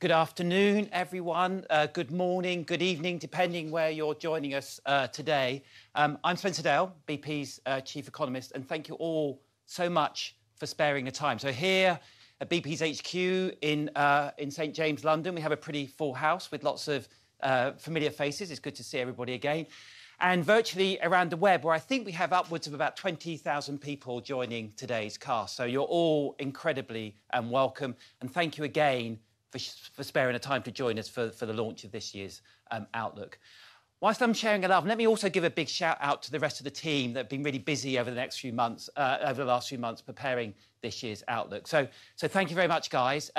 Good afternoon, everyone. Good morning, good evening, depending where you're joining us today. I'm Spencer Dale, BP's Chief Economist, and thank you all so much for sparing the time. So here at BP's HQ in St. James's, London, we have a pretty full house with lots of familiar faces. It's good to see everybody again, and virtually around the web, where I think we have upwards of about 20,000 people joining today's cast. So you're all incredibly welcome, and thank you again for sparing the time to join us for the launch of this year's Outlook. While I'm sharing it up, let me also give a big shout-out to the rest of the team that have been really busy over the next few months, over the last few months preparing this year's Outlook. So thank you very much, guys.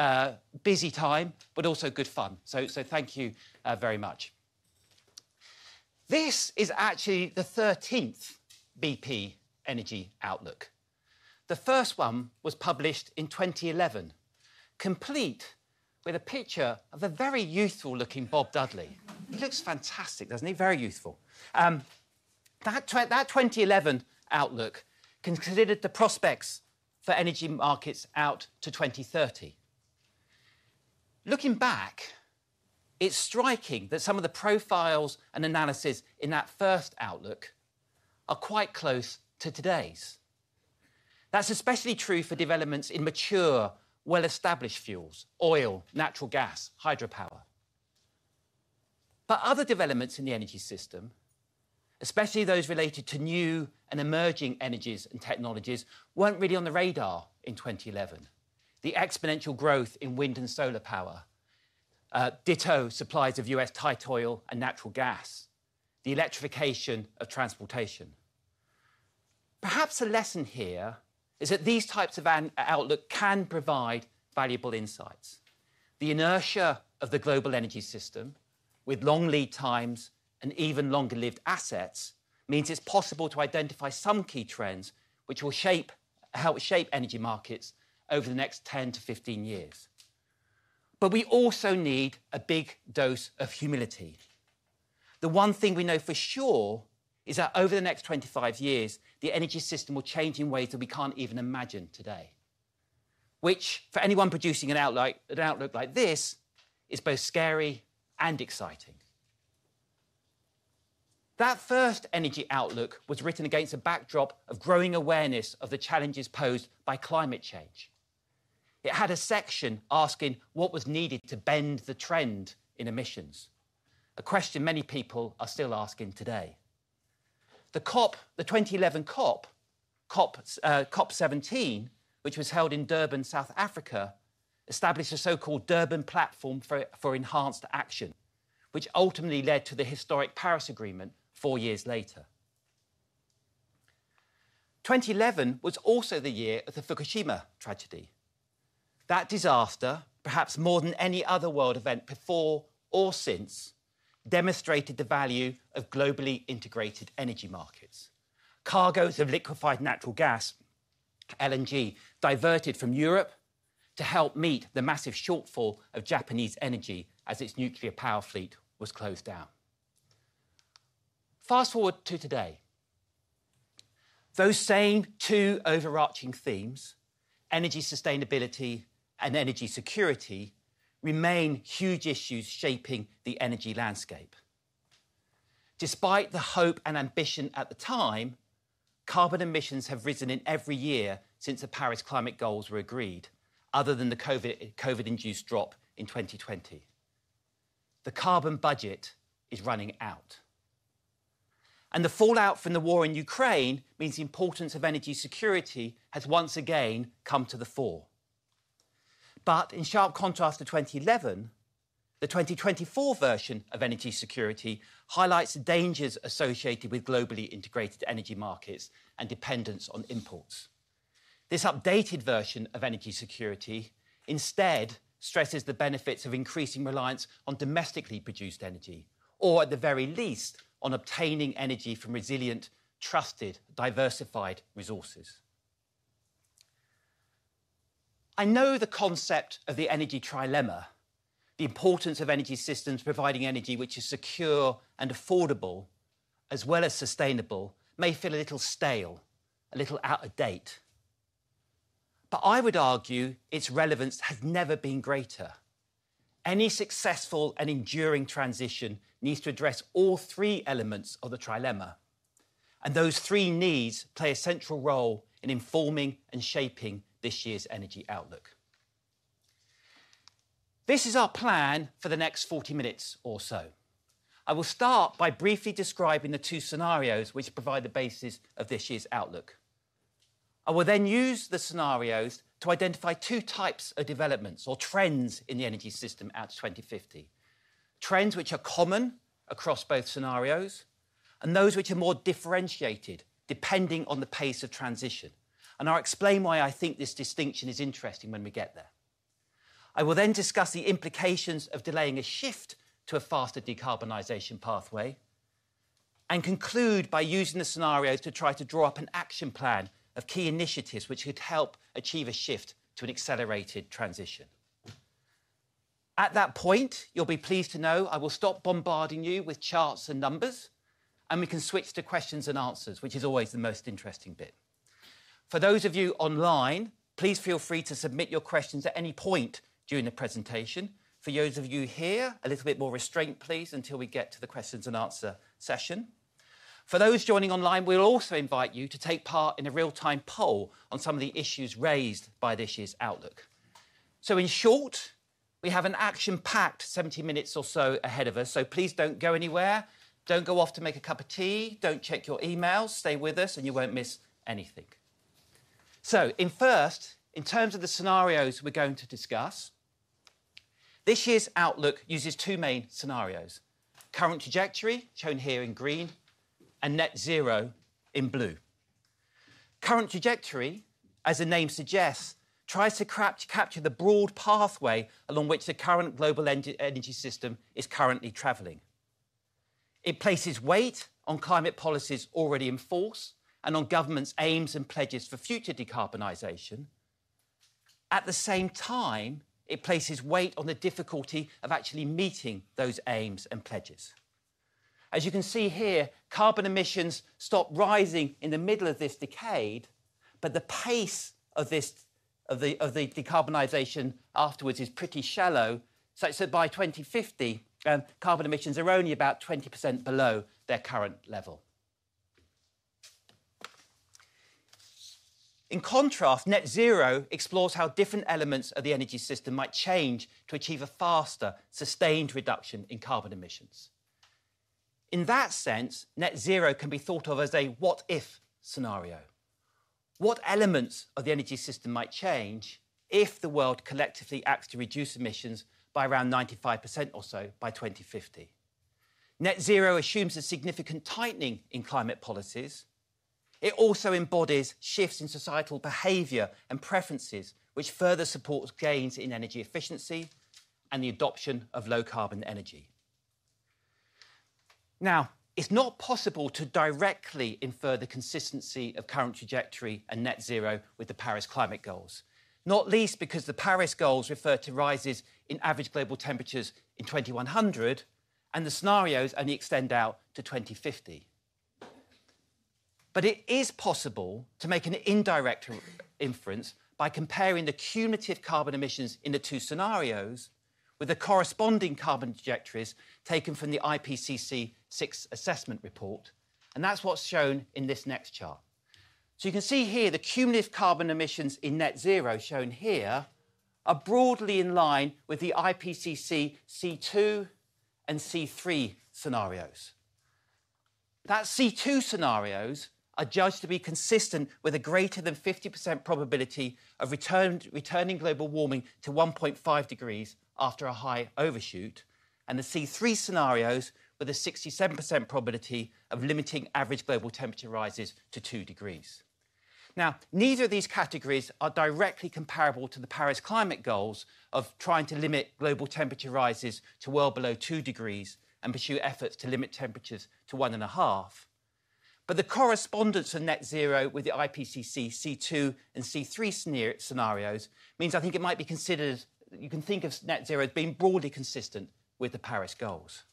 Busy time, but also good fun. So thank you very much. This is actually the 13th BP Energy Outlook. The first one was published in 2011, complete with a picture of the very youthful-looking Bob Dudley. He looks fantastic, doesn't he? Very youthful. That 2011 Outlook considered the prospects for energy markets out to 2030. Looking back, it's striking that some of the profiles and analysis in that first Outlook are quite close to today's. That's especially true for developments in mature, well-established fuels: oil, natural gas, hydropower. But other developments in the energy system, especially those related to new and emerging energies and technologies, weren't really on the radar in 2011. The exponential growth in wind and solar power, ditto supplies of US tight oil and natural gas, the electrification of transportation. Perhaps a lesson here is that these types of Outlook can provide valuable insights. The inertia of the global energy system, with long lead times and even longer-lived assets, means it's possible to identify some key trends which will shape how we shape energy markets over the next 10 to 15 years. But we also need a big dose of humility. The one thing we know for sure is that over the next 25 years, the energy system will change in ways that we can't even imagine today, which, for anyone producing an Outlook like this, is both scary and exciting. That first energy Outlook was written against a backdrop of growing awareness of the challenges posed by climate change. It had a section asking what was needed to bend the trend in emissions, a question many people are still asking today. The COP, the 2011 COP, COP17, which was held in Durban, South Africa, established a so-called Durban Platform for Enhanced Action, which ultimately led to the historic Paris Agreement 4 years later. 2011 was also the year of the Fukushima tragedy. That disaster, perhaps more than any other world event before or since, demonstrated the value of globally integrated energy markets. Cargoes of liquefied natural gas, LNG, diverted from Europe to help meet the massive shortfall of Japanese energy as its nuclear power fleet was closed down. Fast forward to today. Those same 2 overarching themes, energy sustainability and energy security, remain huge issues shaping the energy landscape. Despite the hope and ambition at the time, carbon emissions have risen in every year since the Paris Climate Goals were agreed, other than the COVID-induced drop in 2020. The carbon budget is running out. The fallout from the war in Ukraine means the importance of energy security has once again come to the fore. In sharp contrast to 2011, the 2024 version of energy security highlights the dangers associated with globally integrated energy markets and dependence on imports. This updated version of energy security instead stresses the benefits of increasing reliance on domestically produced energy, or at the very least, on obtaining energy from resilient, trusted, diversified resources. I know the concept of the energy trilemma, the importance of energy systems providing energy which is secure and affordable, as well as sustainable, may feel a little stale, a little out of date. I would argue its relevance has never been greater. Any successful and enduring transition needs to address all three elements of the trilemma. Those three needs play a central role in informing and shaping this year's Energy Outlook. This is our plan for the next 40 minutes or so. I will start by briefly describing the two scenarios which provide the basis of this year's Outlook. I will then use the scenarios to identify two types of developments or trends in the energy system out to 2050, trends which are common across both scenarios and those which are more differentiated depending on the pace of transition, and I'll explain why I think this distinction is interesting when we get there. I will then discuss the implications of delaying a shift to a faster decarbonization pathway and conclude by using the scenarios to try to draw up an action plan of key initiatives which could help achieve a shift to an accelerated transition. At that point, you'll be pleased to know I will stop bombarding you with charts and numbers, and we can switch to questions and answers, which is always the most interesting bit. For those of you online, please feel free to submit your questions at any point during the presentation. For those of you here, a little bit more restraint, please, until we get to the questions and answer session. For those joining online, we'll also invite you to take part in a real-time poll on some of the issues raised by this year's Outlook. So in short, we have an action-packed 70 minutes or so ahead of us, so please don't go anywhere. Don't go off to make a cup of tea. Don't check your emails. Stay with us, and you won't miss anything. So, first, in terms of the scenarios we're going to discuss, this year's Outlook uses two main scenarios: Current Trajectory, shown here in green, and Net Zero in blue. Current Trajectory, as the name suggests, tries to capture the broad pathway along which the current global energy system is currently traveling. It places weight on climate policies already in force and on governments' aims and pledges for future decarbonization. At the same time, it places weight on the difficulty of actually meeting those aims and pledges. As you can see here, carbon emissions stop rising in the middle of this decade, but the pace of the decarbonization afterwards is pretty shallow, such that by 2050, carbon emissions are only about 20% below their current level. In contrast, Net Zero explores how different elements of the energy system might change to achieve a faster, sustained reduction in carbon emissions. In that sense, Net Zero can be thought of as a what-if scenario. What elements of the energy system might change if the world collectively acts to reduce emissions by around 95% or so by 2050? Net zero assumes a significant tightening in climate policies. It also embodies shifts in societal behavior and preferences, which further supports gains in energy efficiency and the adoption of low-carbon energy. Now, it's not possible to directly infer the consistency of Current Trajectory and Net Zero with the Paris Climate Goals, not least because the Paris Goals refer to rises in average global temperatures in 2100, and the scenarios only extend out to 2050. But it is possible to make an indirect inference by comparing the cumulative carbon emissions in the two scenarios with the corresponding carbon trajectories taken from the IPCC Sixth Assessment Report, and that's what's shown in this next chart. So you can see here, the cumulative carbon emissions in Net Zero shown here are broadly in line with the IPCC C2 and C3 scenarios. That C2 scenarios are judged to be consistent with a greater than 50% probability of returning global warming to 1.5 degrees after a high overshoot, and the C3 scenarios with a 67% probability of limiting average global temperature rises to 2 degrees. Now, neither of these categories are directly comparable to the Paris Climate Goals of trying to limit global temperature rises to well below 2 degrees and pursue efforts to limit temperatures to 1.5. But the correspondence of Net Zero with the IPCC C2 and C3 scenarios means I think it might be considered you can think of Net Zero as being broadly consistent with the Paris Goals.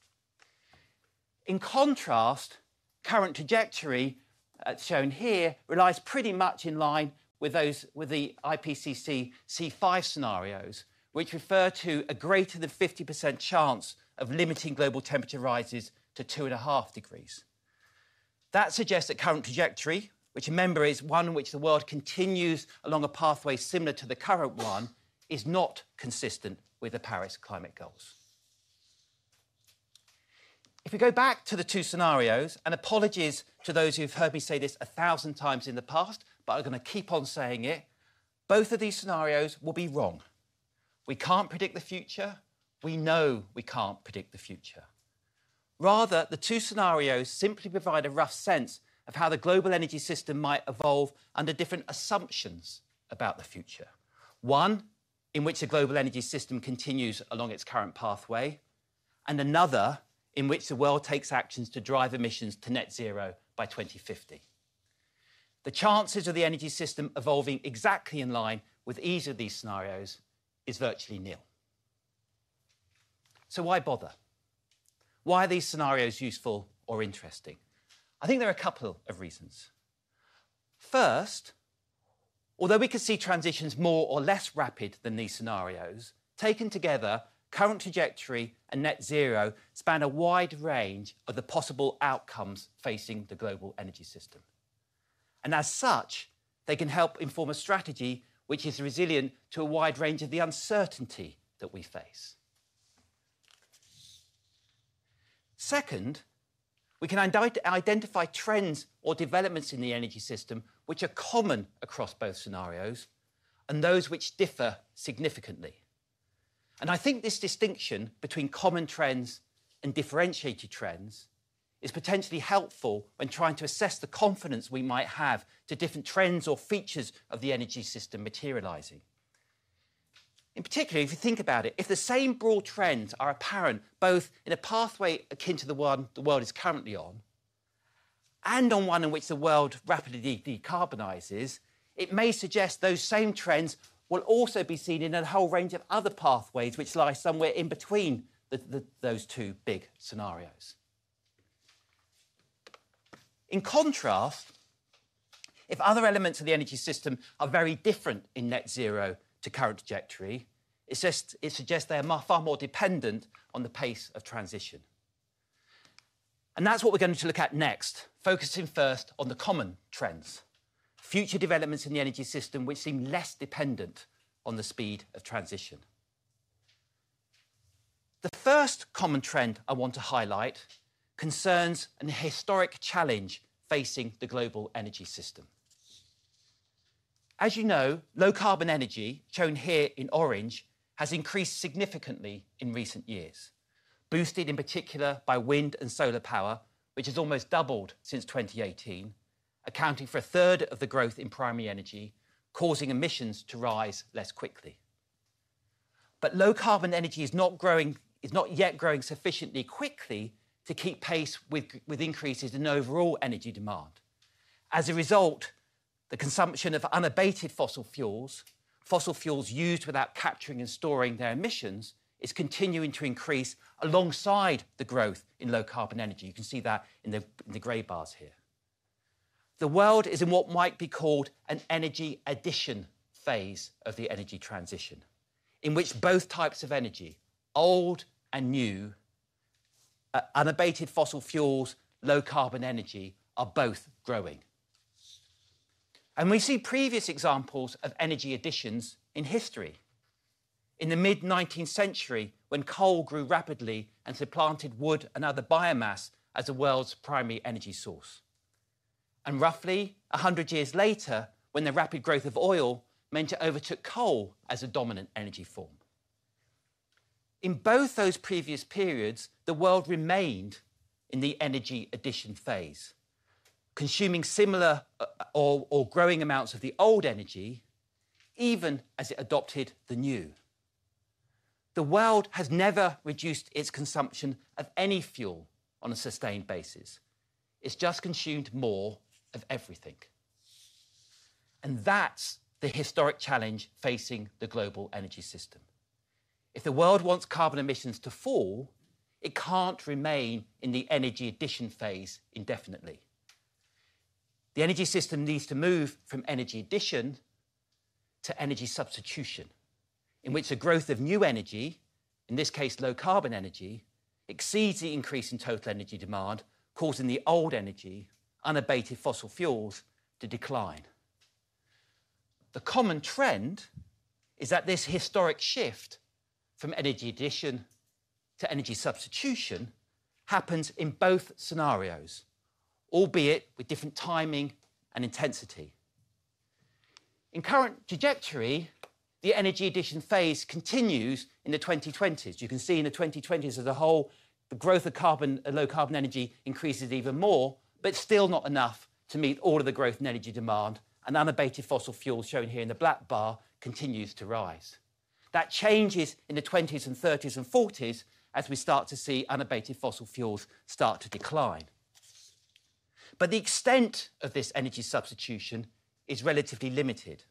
In contrast, Current Trajectory, as shown here, relies pretty much in line with the IPCC C5 scenarios, which refer to a greater than 50% chance of limiting global temperature rises to two and a half degrees. That suggests that Current Trajectory, which remember is one in which the world continues along a pathway similar to the current one, is not consistent with the Paris Climate Goals. If we go back to the two scenarios, and apologies to those who've heard me say this a thousand times in the past, but I'm going to keep on saying it, both of these scenarios will be wrong. We can't predict the future. We know we can't predict the future. Rather, the two scenarios simply provide a rough sense of how the global energy system might evolve under different assumptions about the future: one in which the global energy system continues along its current pathway, and another in which the world takes actions to drive emissions to Net Zero by 2050. The chances of the energy system evolving exactly in line with either of these scenarios is virtually nil. So why bother? Why are these scenarios useful or interesting? I think there are a couple of reasons. First, although we could see transitions more or less rapid than these scenarios, taken together, Current Trajectory and Net Zero span a wide range of the possible outcomes facing the global energy system. And as such, they can help inform a strategy which is resilient to a wide range of the uncertainty that we face. Second, we can identify trends or developments in the energy system which are common across both scenarios and those which differ significantly. I think this distinction between common trends and differentiated trends is potentially helpful when trying to assess the confidence we might have to different trends or features of the energy system materializing. In particular, if you think about it, if the same broad trends are apparent both in a pathway akin to the one the world is currently on and on one in which the world rapidly decarbonizes, it may suggest those same trends will also be seen in a whole range of other pathways which lie somewhere in between those two big scenarios. In contrast, if other elements of the energy system are very different in Net Zero to Current Trajectory, it suggests they are far more dependent on the pace of transition. That's what we're going to look at next, focusing first on the common trends, future developments in the energy system which seem less dependent on the speed of transition. The first common trend I want to highlight concerns a historic challenge facing the global energy system. As you know, low-carbon energy, shown here in orange, has increased significantly in recent years, boosted in particular by wind and solar power, which has almost doubled since 2018, accounting for a third of the growth in primary energy, causing emissions to rise less quickly. But low-carbon energy is not yet growing sufficiently quickly to keep pace with increases in overall energy demand. As a result, the consumption of unabated fossil fuels, fossil fuels used without capturing and storing their emissions, is continuing to increase alongside the growth in low-carbon energy. You can see that in the gray bars here. The world is in what might be called an energy addition phase of the energy transition, in which both types of energy, old and new, unabated fossil fuels, low-carbon energy, are both growing. We see previous examples of energy additions in history, in the mid-19th century when coal grew rapidly and supplanted wood and other biomass as the world's primary energy source, and roughly 100 years later when the rapid growth of oil meant it overtook coal as a dominant energy form. In both those previous periods, the world remained in the energy addition phase, consuming similar or growing amounts of the old energy, even as it adopted the new. The world has never reduced its consumption of any fuel on a sustained basis. It's just consumed more of everything. That's the historic challenge facing the global energy system. If the world wants carbon emissions to fall, it can't remain in the energy addition phase indefinitely. The energy system needs to move from energy addition to energy substitution, in which the growth of new energy, in this case low-carbon energy, exceeds the increase in total energy demand, causing the old energy, unabated fossil fuels, to decline. The common trend is that this historic shift from energy addition to energy substitution happens in both scenarios, albeit with different timing and intensity. In Current Trajectory, the energy addition phase continues in the 2020s. You can see in the 2020s as a whole, the growth of low-carbon energy increases even more, but still not enough to meet all of the growth in energy demand, and unabated fossil fuels, shown here in the black bar, continues to rise. That changes in the 2020s and 2030s and 2040s as we start to see unabated fossil fuels start to decline. But the extent of this energy substitution is relatively limited.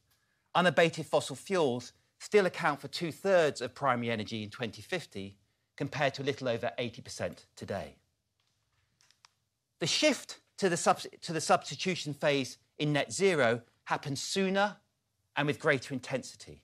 Unabated fossil fuels still account for two-thirds of primary energy in 2050 compared to a little over 80% today. The shift to the substitution phase in Net Zero happens sooner and with greater intensity.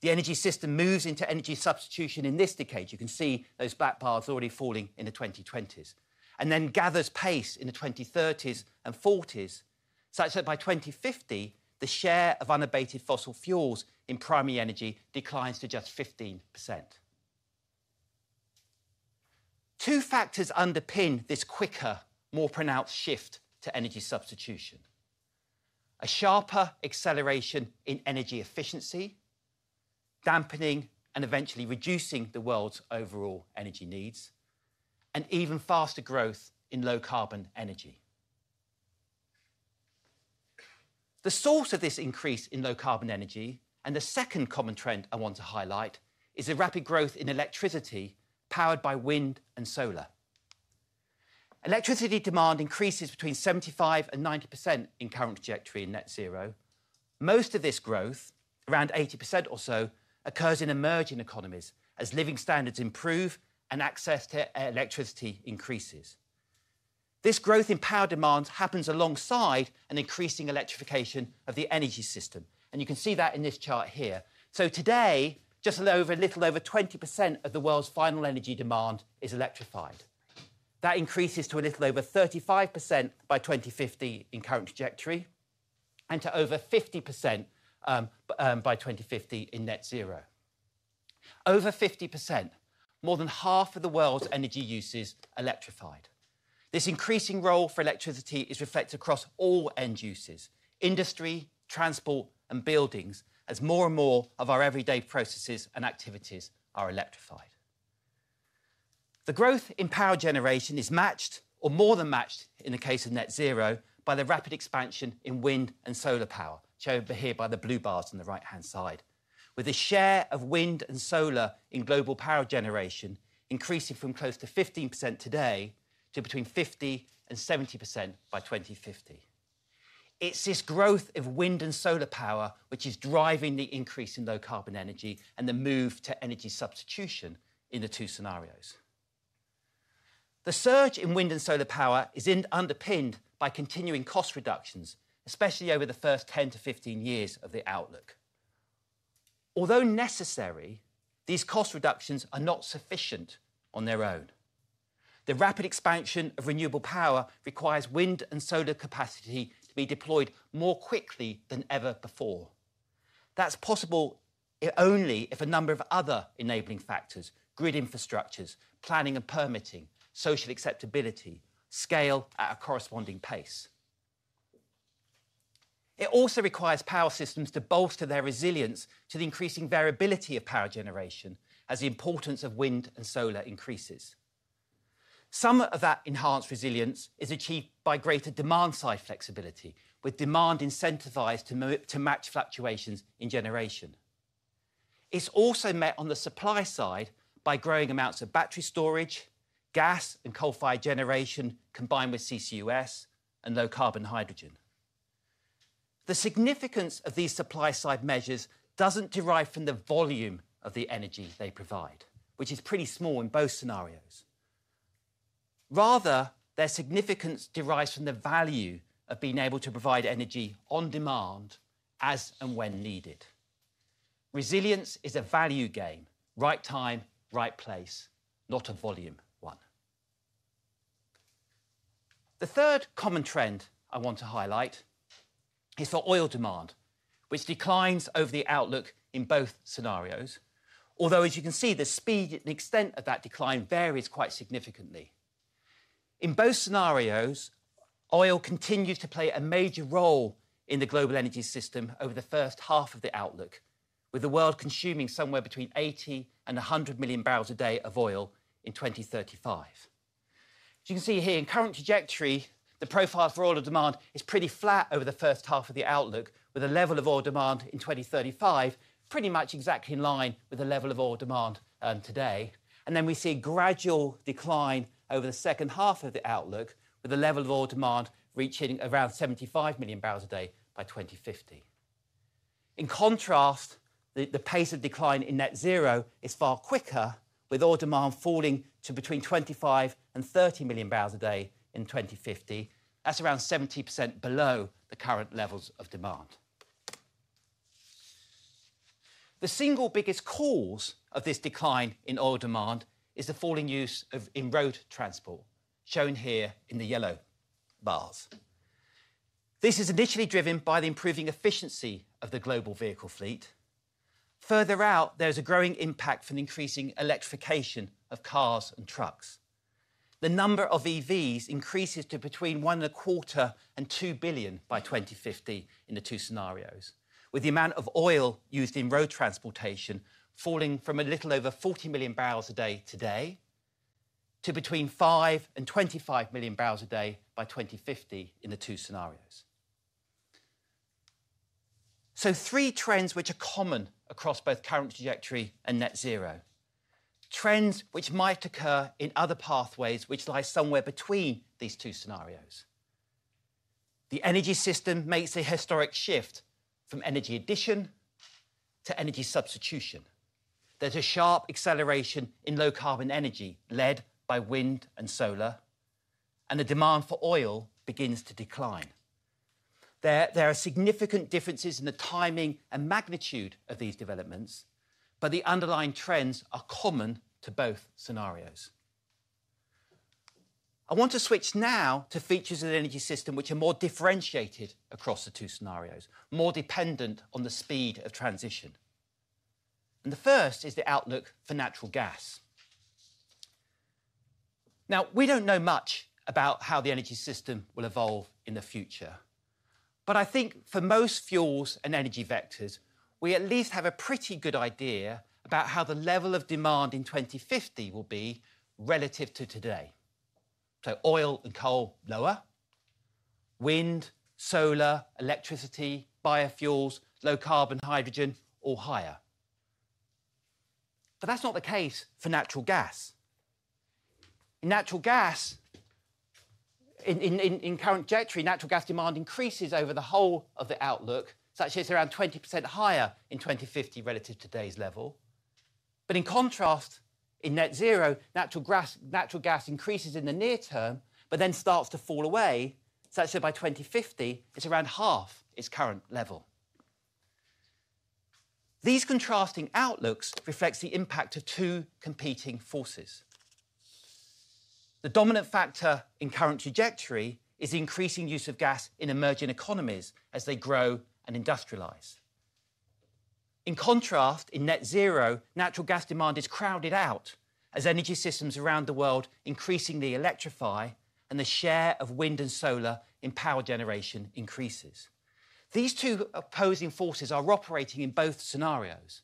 The energy system moves into energy substitution in this decade. You can see those black bars already falling in the 2020s, and then gathers pace in the 2030s and 2040s, such that by 2050, the share of unabated fossil fuels in primary energy declines to just 15%. Two factors underpin this quicker, more pronounced shift to energy substitution: a sharper acceleration in energy efficiency, dampening and eventually reducing the world's overall energy needs, and even faster growth in low-carbon energy. The source of this increase in low-carbon energy, and the second common trend I want to highlight, is the rapid growth in electricity powered by wind and solar. Electricity demand increases 75%-90% in Current Trajectory and Net Zero. Most of this growth, around 80% or so, occurs in emerging economies as living standards improve and access to electricity increases. This growth in power demand happens alongside an increasing electrification of the energy system, and you can see that in this chart here. So today, just a little over 20% of the world's final energy demand is electrified. That increases to a little over 35% by 2050 in Current Trajectory and to over 50% by 2050 in Net Zero. Over 50%, more than half of the world's energy use is electrified. This increasing role for electricity is reflected across all end uses: industry, transport, and buildings, as more and more of our everyday processes and activities are electrified. The growth in power generation is matched, or more than matched in the case of Net Zero, by the rapid expansion in wind and solar power, shown here by the blue bars on the right-hand side, with the share of wind and solar in global power generation increasing from close to 15% today to between 50%-70% by 2050. It's this growth of wind and solar power which is driving the increase in low-carbon energy and the move to energy substitution in the two scenarios. The surge in wind and solar power is underpinned by continuing cost reductions, especially over the first 10 to 15 years of the outlook. Although necessary, these cost reductions are not sufficient on their own. The rapid expansion of renewable power requires wind and solar capacity to be deployed more quickly than ever before. That's possible only if a number of other enabling factors (grid infrastructures, planning and permitting, social acceptability) scale at a corresponding pace. It also requires power systems to bolster their resilience to the increasing variability of power generation as the importance of wind and solar increases. Some of that enhanced resilience is achieved by greater demand-side flexibility, with demand incentivized to match fluctuations in generation. It's also met on the supply side by growing amounts of battery storage, gas and coal-fired generation combined with CCUS and low-carbon hydrogen. The significance of these supply-side measures doesn't derive from the volume of the energy they provide, which is pretty small in both scenarios. Rather, their significance derives from the value of being able to provide energy on demand as and when needed. Resilience is a value game - right time, right place - not a volume one. The third common trend I want to highlight is for oil demand, which declines over the outlook in both scenarios, although, as you can see, the speed and extent of that decline varies quite significantly. In both scenarios, oil continues to play a major role in the global energy system over the first half of the outlook, with the world consuming somewhere between 80 and 100 million barrels a day of oil in 2035. As you can see here, in Current Trajectory, the profile for oil demand is pretty flat over the first half of the outlook, with a level of oil demand in 2035 pretty much exactly in line with the level of oil demand today. Then we see a gradual decline over the second half of the outlook, with the level of oil demand reaching around 75 million barrels a day by 2050. In contrast, the pace of decline in Net Zero is far quicker, with oil demand falling to between 25 and 30 million barrels a day in 2050. That's around 70% below the current levels of demand. The single biggest cause of this decline in oil demand is the falling use of on-road transport, shown here in the yellow bars. This is initially driven by the improving efficiency of the global vehicle fleet. Further out, there's a growing impact from increasing electrification of cars and trucks. The number of EVs increases to between 1.25 and 2 billion by 2050 in the 2 scenarios, with the amount of oil used in road transportation falling from a little over 40 million barrels a day today to between 5 and 25 million barrels a day by 2050 in the 2 scenarios. Three trends which are common across both Current Trajectory and Net Zero - trends which might occur in other pathways which lie somewhere between these 2 scenarios. The energy system makes a historic shift from energy addition to energy substitution. There's a sharp acceleration in low-carbon energy led by wind and solar, and the demand for oil begins to decline. There are significant differences in the timing and magnitude of these developments, but the underlying trends are common to both scenarios. I want to switch now to features of the energy system which are more differentiated across the two scenarios, more dependent on the speed of transition. The first is the outlook for natural gas. Now, we don't know much about how the energy system will evolve in the future, but I think for most fuels and energy vectors, we at least have a pretty good idea about how the level of demand in 2050 will be relative to today. So, oil and coal, lower. Wind, solar, electricity, biofuels, low-carbon hydrogen, all higher. But that's not the case for natural gas. In natural gas, in Current Trajectory, natural gas demand increases over the whole of the outlook, such that it's around 20% higher in 2050 relative to today's level. But in contrast, in Net Zero, natural gas increases in the near term but then starts to fall away, such that by 2050, it's around half its current level. These contrasting outlooks reflect the impact of two competing forces. The dominant factor in Current Trajectory is the increasing use of gas in emerging economies as they grow and industrialize. In contrast, in Net Zero, natural gas demand is crowded out as energy systems around the world increasingly electrify and the share of wind and solar in power generation increases. These two opposing forces are operating in both scenarios.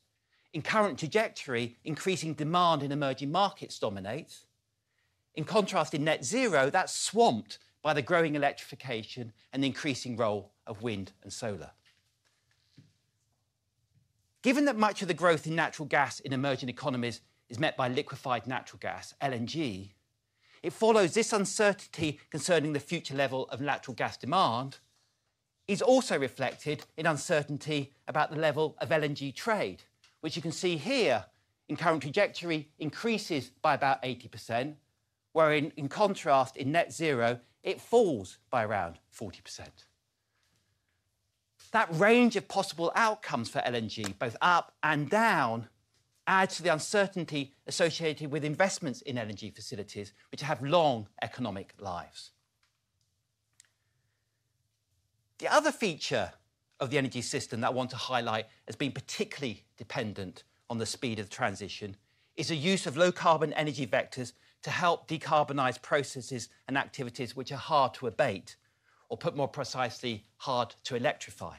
In Current Trajectory, increasing demand in emerging markets dominates. In contrast, in Net Zero, that's swamped by the growing electrification and the increasing role of wind and solar. Given that much of the growth in natural gas in emerging economies is met by liquefied natural gas, LNG, it follows this uncertainty concerning the future level of natural gas demand is also reflected in uncertainty about the level of LNG trade, which you can see here in Current Trajectory increases by about 80%, where in contrast, in Net Zero, it falls by around 40%. That range of possible outcomes for LNG, both up and down, adds to the uncertainty associated with investments in LNG facilities, which have long economic lives. The other feature of the energy system that I want to highlight as being particularly dependent on the speed of the transition is the use of low-carbon energy vectors to help decarbonize processes and activities which are hard to abate, or put more precisely, hard to electrify.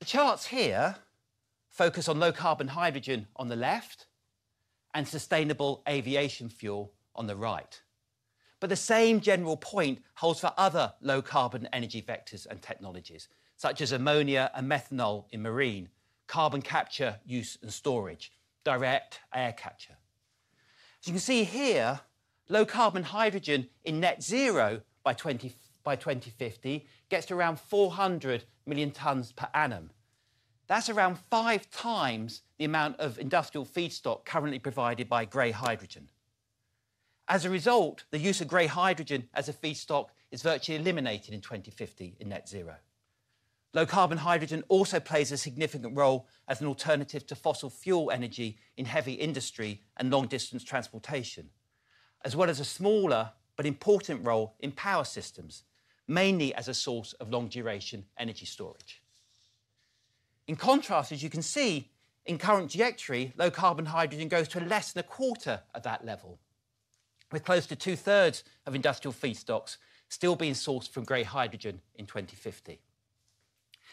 The charts here focus on low-carbon hydrogen on the left and sustainable aviation fuel on the right. But the same general point holds for other low-carbon energy vectors and technologies, such as ammonia and methanol in marine, carbon capture, use, and storage, direct air capture. As you can see here, low-carbon hydrogen in Net Zero by 2050 gets to around 400 million tons per annum. That's around five times the amount of industrial feedstock currently provided by gray hydrogen. As a result, the use of gray hydrogen as a feedstock is virtually eliminated in 2050 in Net Zero. Low-carbon hydrogen also plays a significant role as an alternative to fossil fuel energy in heavy industry and long-distance transportation, as well as a smaller but important role in power systems, mainly as a source of long-duration energy storage. In contrast, as you can see, in Current Trajectory, low-carbon hydrogen goes to less than a quarter of that level, with close to two-thirds of industrial feedstocks still being sourced from gray hydrogen in 2050.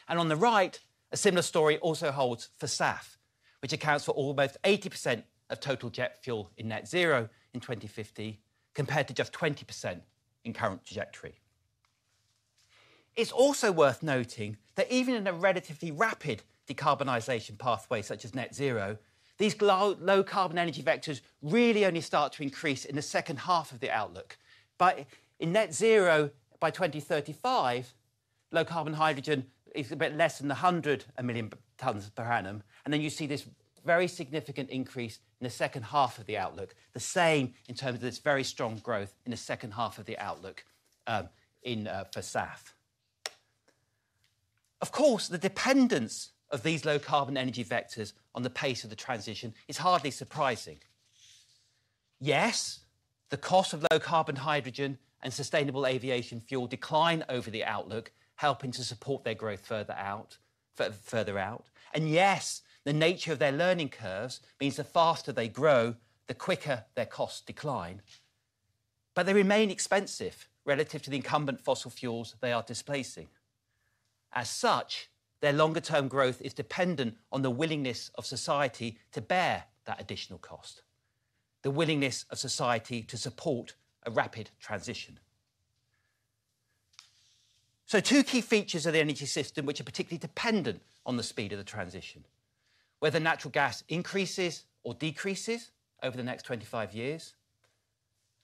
On the right, a similar story also holds for SAF, which accounts for almost 80% of total jet fuel in Net Zero in 2050, compared to just 20% in Current Trajectory. It's also worth noting that even in a relatively rapid decarbonization pathway such as Net Zero, these low-carbon energy vectors really only start to increase in the second half of the outlook. In Net Zero by 2035, low-carbon hydrogen is a bit less than 100 million tons per annum, and then you see this very significant increase in the second half of the outlook, the same in terms of this very strong growth in the second half of the outlook for SAF. Of course, the dependence of these low-carbon energy vectors on the pace of the transition is hardly surprising. Yes, the cost of low-carbon hydrogen and sustainable aviation fuel decline over the outlook, helping to support their growth further out. And yes, the nature of their learning curves means the faster they grow, the quicker their costs decline. But they remain expensive relative to the incumbent fossil fuels they are displacing. As such, their longer-term growth is dependent on the willingness of society to bear that additional cost, the willingness of society to support a rapid transition. So, two key features of the energy system which are particularly dependent on the speed of the transition, whether natural gas increases or decreases over the next 25 years,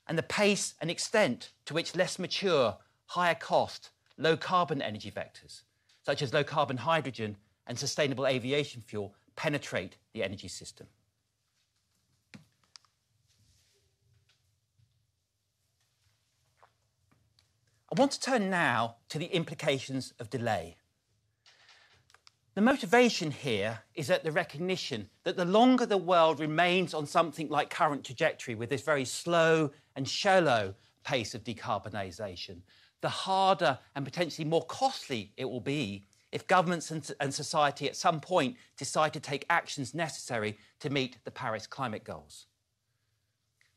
and the pace and extent to which less mature, higher-cost, low-carbon energy vectors, such as low-carbon hydrogen and sustainable aviation fuel, penetrate the energy system. I want to turn now to the implications of delay. The motivation here is at the recognition that the longer the world remains on something like Current Trajectory with this very slow and shallow pace of decarbonization, the harder and potentially more costly it will be if governments and society at some point decide to take actions necessary to meet the Paris Climate Goals.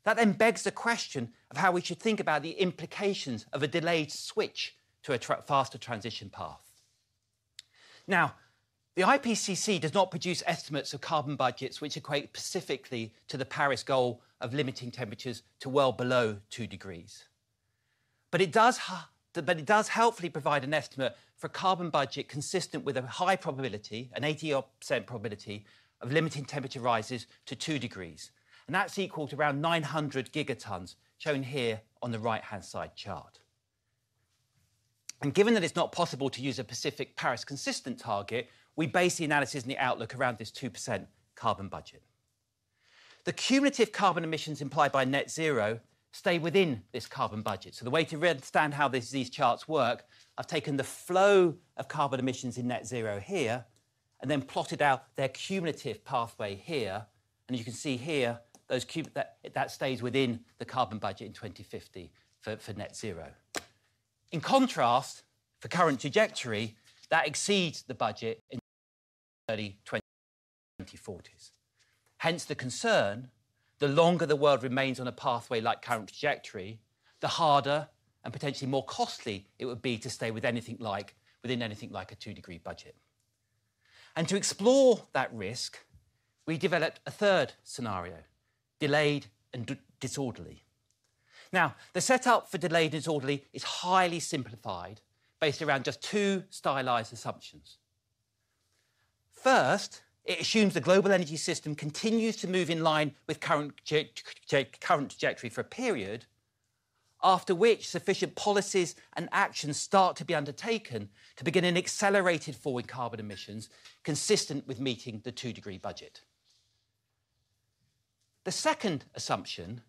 That then begs the question of how we should think about the implications of a delayed switch to a faster transition path. Now, the IPCC does not produce estimates of carbon budgets which equate specifically to the Paris goal of limiting temperatures to well below two degrees. But it does helpfully provide an estimate for a carbon budget consistent with a high probability, an 80% probability, of limiting temperature rises to two degrees. That's equal to around 900 gigatons, shown here on the right-hand side chart. Given that it's not possible to use a post-Paris consistent target, we base the analysis and the outlook around this 2°C carbon budget. The cumulative carbon emissions implied by Net Zero stay within this carbon budget. The way to understand how these charts work, I've taken the flow of carbon emissions in Net Zero here and then plotted out their cumulative pathway here. You can see here that stays within the carbon budget in 2050 for Net Zero. In contrast, for Current Trajectory, that exceeds the budget in 2030, 2040s. Hence the concern, the longer the world remains on a pathway like Current Trajectory, the harder and potentially more costly it would be to stay within anything like a 2-degree budget. To explore that risk, we developed a third scenario, Delayed and Disorderly. Now, the setup for Delayed and Disorderly is highly simplified, based around just two stylized assumptions. First, it assumes the global energy system continues to move in line with Current Trajectory for a period, after which sufficient policies and actions start to be undertaken to begin an accelerated fall in carbon emissions consistent with meeting the 2-degree budget. The second assumption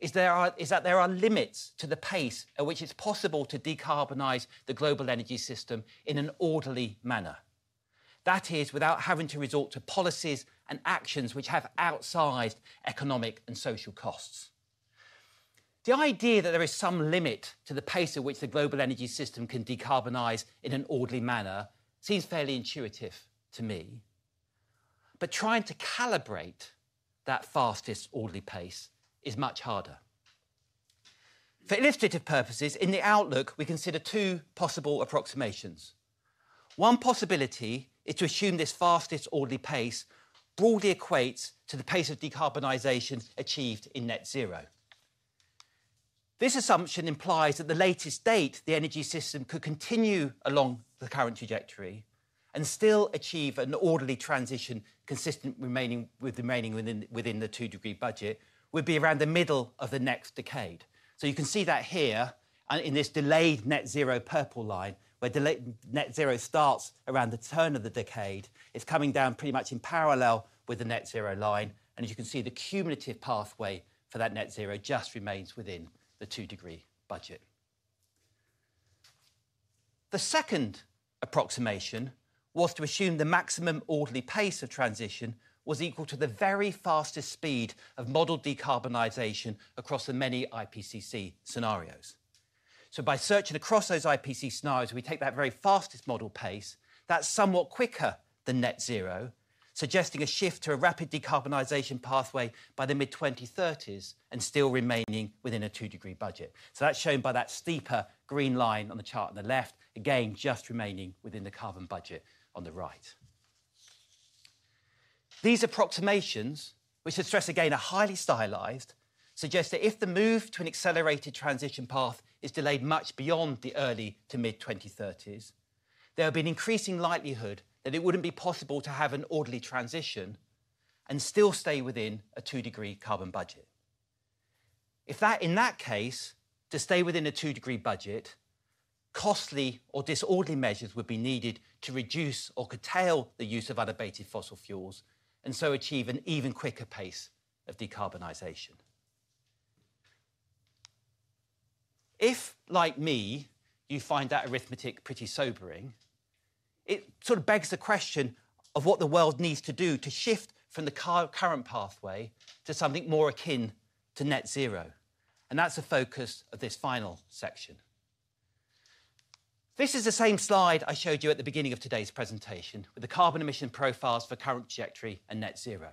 is that there are limits to the pace at which it's possible to decarbonize the global energy system in an orderly manner. That is, without having to resort to policies and actions which have outsized economic and social costs. The idea that there is some limit to the pace at which the global energy system can decarbonize in an orderly manner seems fairly intuitive to me. Trying to calibrate that fastest orderly pace is much harder. For illustrative purposes, in the outlook, we consider two possible approximations. One possibility is to assume this fastest orderly pace broadly equates to the pace of decarbonization achieved in Net Zero. This assumption implies that at the latest date the energy system could continue along the Current Trajectory and still achieve an orderly transition consistent with remaining within the 2-degree budget would be around the middle of the next decade. So, you can see that here in this delayed Net Zero purple line, where Net Zero starts around the turn of the decade. It's coming down pretty much in parallel with the Net Zero line. As you can see, the cumulative pathway for that Net Zero just remains within the 2-degree budget. The second approximation was to assume the maximum orderly pace of transition was equal to the very fastest speed of model decarbonization across the many IPCC scenarios. So, by searching across those IPCC scenarios, we take that very fastest model pace. That's somewhat quicker than Net Zero, suggesting a shift to a rapid decarbonization pathway by the mid-2030s and still remaining within a 2-degree budget. So, that's shown by that steeper green line on the chart on the left, again, just remaining within the carbon budget on the right. These approximations, which, I stress again, are highly stylized, suggest that if the move to an accelerated transition path is delayed much beyond the early to mid-2030s, there would be an increasing likelihood that it wouldn't be possible to have an orderly transition and still stay within a 2-degree carbon budget. If that, in that case, to stay within a 2-degree budget, costly or disorderly measures would be needed to reduce or curtail the use of unabated fossil fuels and so achieve an even quicker pace of decarbonization. If, like me, you find that arithmetic pretty sobering, it sort of begs the question of what the world needs to do to shift from the current pathway to something more akin to Net Zero. That's the focus of this final section. This is the same slide I showed you at the beginning of today's presentation with the carbon emission profiles for Current Trajectory and Net Zero.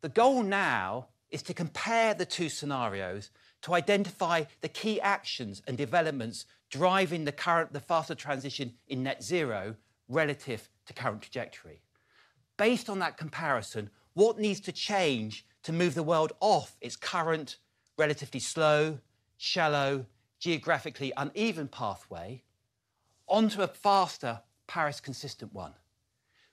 The goal now is to compare the two scenarios to identify the key actions and developments driving the faster transition in Net Zero relative to Current Trajectory. Based on that comparison, what needs to change to move the world off its current relatively slow, shallow, geographically uneven pathway onto a faster Paris-consistent one?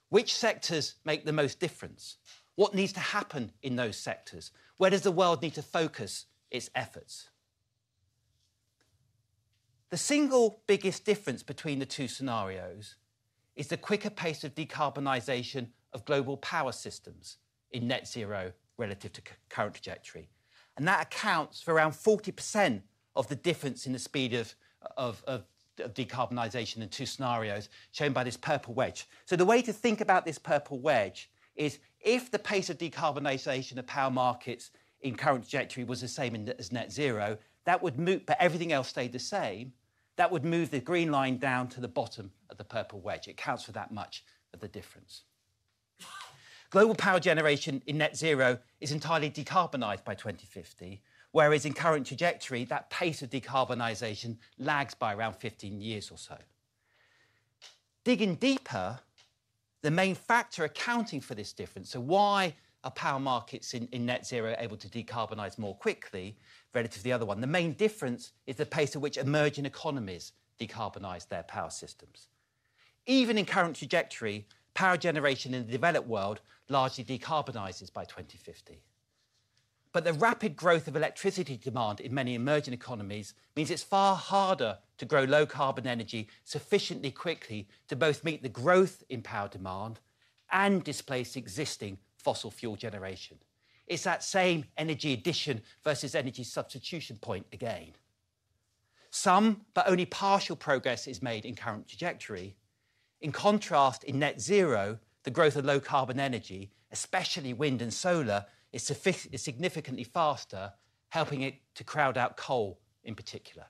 Which sectors make the most difference? What needs to happen in those sectors? Where does the world need to focus its efforts? The single biggest difference between the two scenarios is the quicker pace of decarbonization of global power systems in Net Zero relative to Current Trajectory. And that accounts for around 40% of the difference in the speed of decarbonization in two scenarios shown by this purple wedge. So, the way to think about this purple wedge is if the pace of decarbonization of power markets in Current Trajectory was the same as Net Zero, that would move, for everything else stay the same, that would move the green line down to the bottom of the purple wedge. It counts for that much of the difference. Global power generation in Net Zero is entirely decarbonized by 2050, whereas in Current Trajectory, that pace of decarbonization lags by around 15 years or so. Digging deeper, the main factor accounting for this difference, so why are power markets in Net Zero able to decarbonize more quickly relative to the other one? The main difference is the pace at which emerging economies decarbonize their power systems. Even in Current Trajectory, power generation in the developed world largely decarbonizes by 2050. But the rapid growth of electricity demand in many emerging economies means it's far harder to grow low-carbon energy sufficiently quickly to both meet the growth in power demand and displace existing fossil fuel generation. It's that same Energy Addition versus Energy Substitution point again. Some, but only partial progress is made in Current Trajectory. In contrast, in Net Zero, the growth of low-carbon energy, especially wind and solar, is significantly faster, helping it to crowd out coal in particular.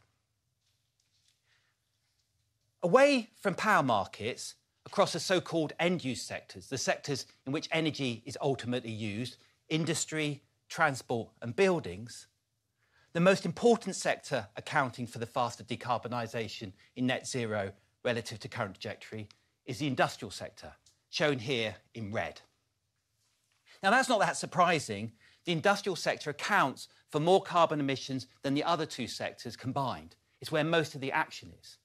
Away from power markets, across the so-called end-use sectors, the sectors in which energy is ultimately used, industry, transport, and buildings, the most important sector accounting for the faster decarbonization in Net Zero relative to Current Trajectory is the industrial sector, shown here in red. Now, that's not that surprising. The industrial sector accounts for more carbon emissions than the other two sectors combined. It's where most of the action is.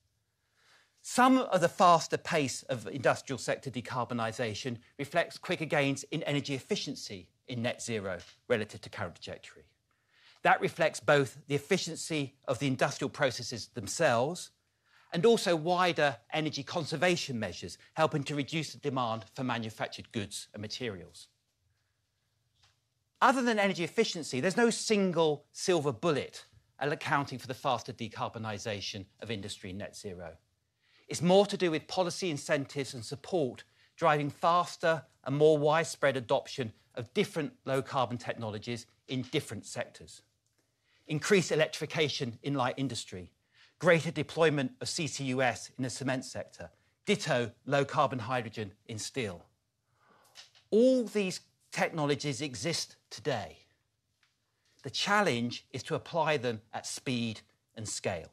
Some of the faster pace of industrial sector decarbonization reflects quicker gains in energy efficiency in Net Zero relative to Current Trajectory. That reflects both the efficiency of the industrial processes themselves and also wider energy conservation measures, helping to reduce the demand for manufactured goods and materials. Other than energy efficiency, there's no single silver bullet accounting for the faster decarbonization of industry in Net Zero. It's more to do with policy incentives and support driving faster and more widespread adoption of different low-carbon technologies in different sectors. Increased electrification in light industry, greater deployment of CCUS in the cement sector, ditto low-carbon hydrogen in steel. All these technologies exist today. The challenge is to apply them at speed and scale.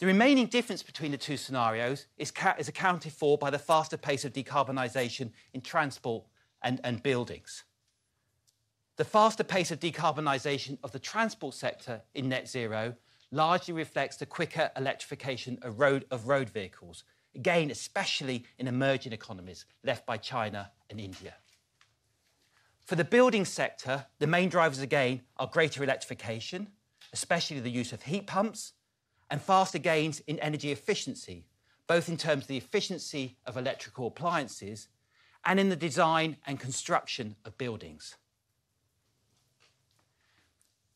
The remaining difference between the two scenarios is accounted for by the faster pace of decarbonization in transport and buildings. The faster pace of decarbonization of the transport sector in Net Zero largely reflects the quicker electrification of road vehicles, again, especially in emerging economies led by China and India. For the building sector, the main drivers, again, are greater electrification, especially the use of heat pumps, and faster gains in energy efficiency, both in terms of the efficiency of electrical appliances and in the design and construction of buildings.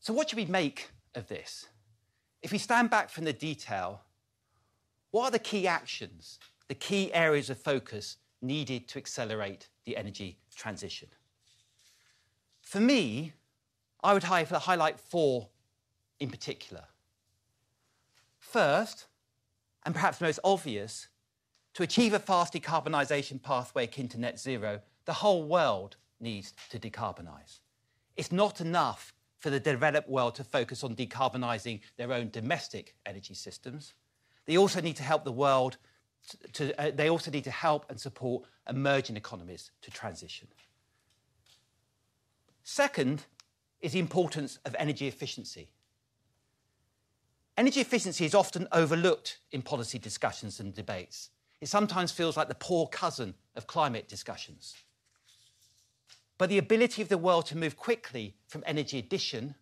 So, what should we make of this? If we stand back from the detail, what are the key actions, the key areas of focus needed to accelerate the energy transition? For me, I would highlight four in particular. First, and perhaps most obvious, to achieve a fast decarbonization pathway akin to Net Zero, the whole world needs to decarbonize. It's not enough for the developed world to focus on decarbonizing their own domestic energy systems. They also need to help and support emerging economies to transition. Second is the importance of energy efficiency. Energy efficiency is often overlooked in policy discussions and debates. It sometimes feels like the poor cousin of climate discussions. But the ability of the world to move quickly from energy addition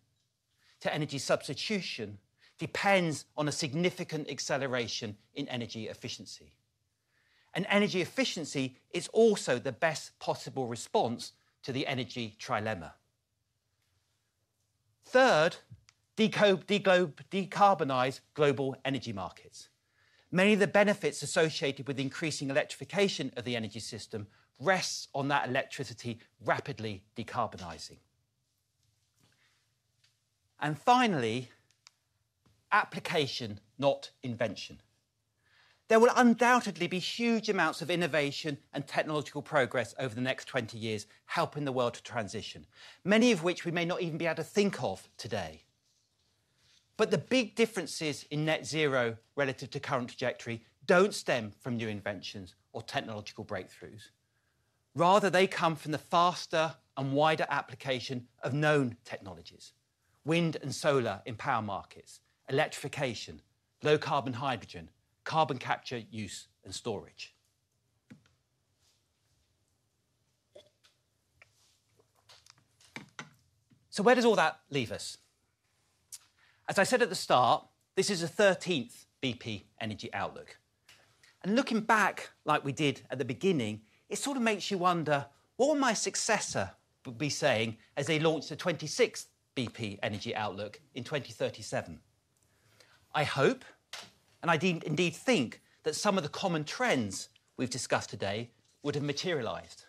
to energy substitution depends on a significant acceleration in energy efficiency. Energy efficiency is also the best possible response to the energy trilemma. Third, decarbonize global energy markets. Many of the benefits associated with increasing electrification of the energy system rest on that electricity rapidly decarbonizing. Finally, application, not invention. There will undoubtedly be huge amounts of innovation and technological progress over the next 20 years helping the world to transition, many of which we may not even be able to think of today. But the big differences in Net Zero relative to Current Trajectory don't stem from new inventions or technological breakthroughs. Rather, they come from the faster and wider application of known technologies: wind and solar in power markets, electrification, low-carbon hydrogen, carbon capture, use, and storage. So, where does all that leave us? As I said at the start, this is the 13th BP Energy Outlook. Looking back like we did at the beginning, it sort of makes you wonder, what will my successor be saying as they launch the 26th BP Energy Outlook in 2037? I hope, and I indeed think, that some of the common trends we've discussed today would have materialized.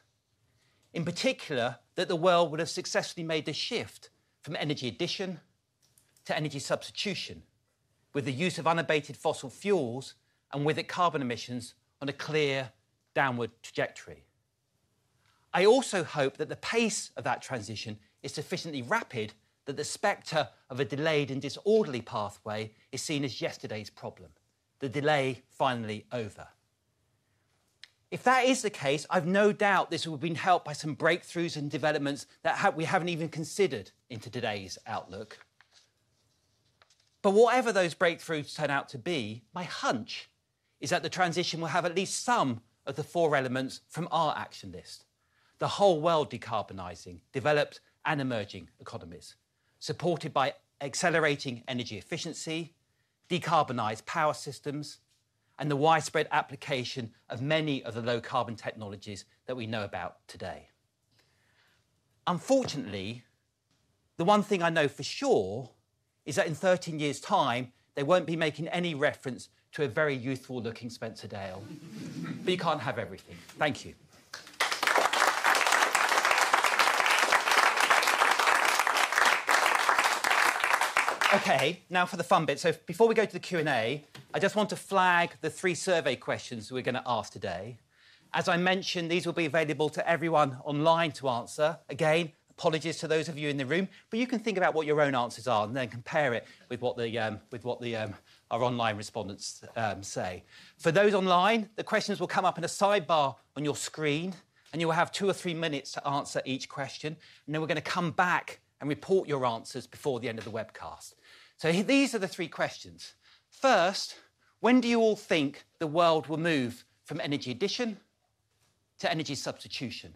In particular, that the world would have successfully made the shift from energy addition to energy substitution with the use of unabated fossil fuels and with carbon emissions on a clear downward trajectory. I also hope that the pace of that transition is sufficiently rapid that the specter of a delayed and disorderly pathway is seen as yesterday's problem, the delay finally over. If that is the case, I've no doubt this will have been helped by some breakthroughs and developments that we haven't even considered into today's outlook. But whatever those breakthroughs turn out to be, my hunch is that the transition will have at least some of the four elements from our action list: the whole world decarbonizing, developed and emerging economies supported by accelerating energy efficiency, decarbonized power systems, and the widespread application of many of the low-carbon technologies that we know about today. Unfortunately, the one thing I know for sure is that in 13 years' time, they won't be making any reference to a very youthful-looking Spencer Dale. But you can't have everything. Thank you. Okay, now for the fun bit. Before we go to the Q&A, I just want to flag the three survey questions we're going to ask today. As I mentioned, these will be available to everyone online to answer. Again, apologies to those of you in the room, but you can think about what your own answers are and then compare it with what our online respondents say. For those online, the questions will come up in a sidebar on your screen, and you will have two or three minutes to answer each question. Then we're going to come back and report your answers before the end of the webcast. These are the three questions. First, when do you all think the world will move from energy addition to energy substitution?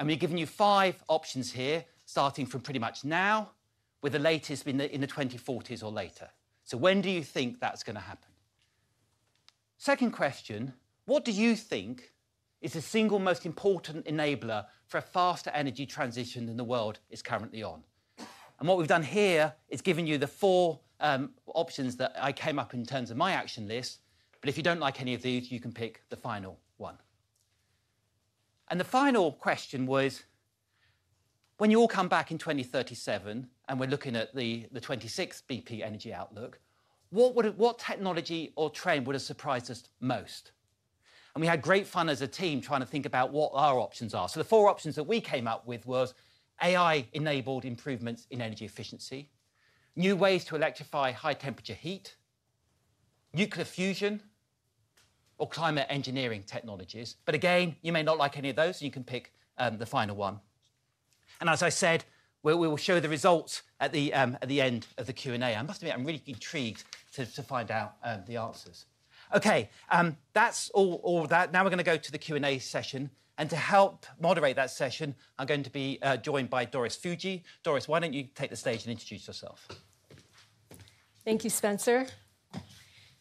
We're giving you five options here, starting from pretty much now, with the latest being in the 2040s or later. So, when do you think that's going to happen? Second question, what do you think is the single most important enabler for a faster energy transition than the world is currently on? What we've done here is given you the four options that I came up with in terms of my action list. But if you don't like any of these, you can pick the final one. The final question was, when you all come back in 2037 and we're looking at the 26th BP Energy Outlook, what technology or trend would have surprised us most? We had great fun as a team trying to think about what our options are. So, the four options that we came up with were AI-enabled improvements in energy efficiency, new ways to electrify high-temperature heat, nuclear fusion, or climate engineering technologies. But again, you may not like any of those, and you can pick the final one. And as I said, we will show the results at the end of the Q&A. I must admit, I'm really intrigued to find out the answers. Okay, that's all of that. Now we're going to go to the Q&A session. And to help moderate that session, I'm going to be joined by Doris Fujii. Doris, why don't you take the stage and introduce yourself? Thank you, Spencer.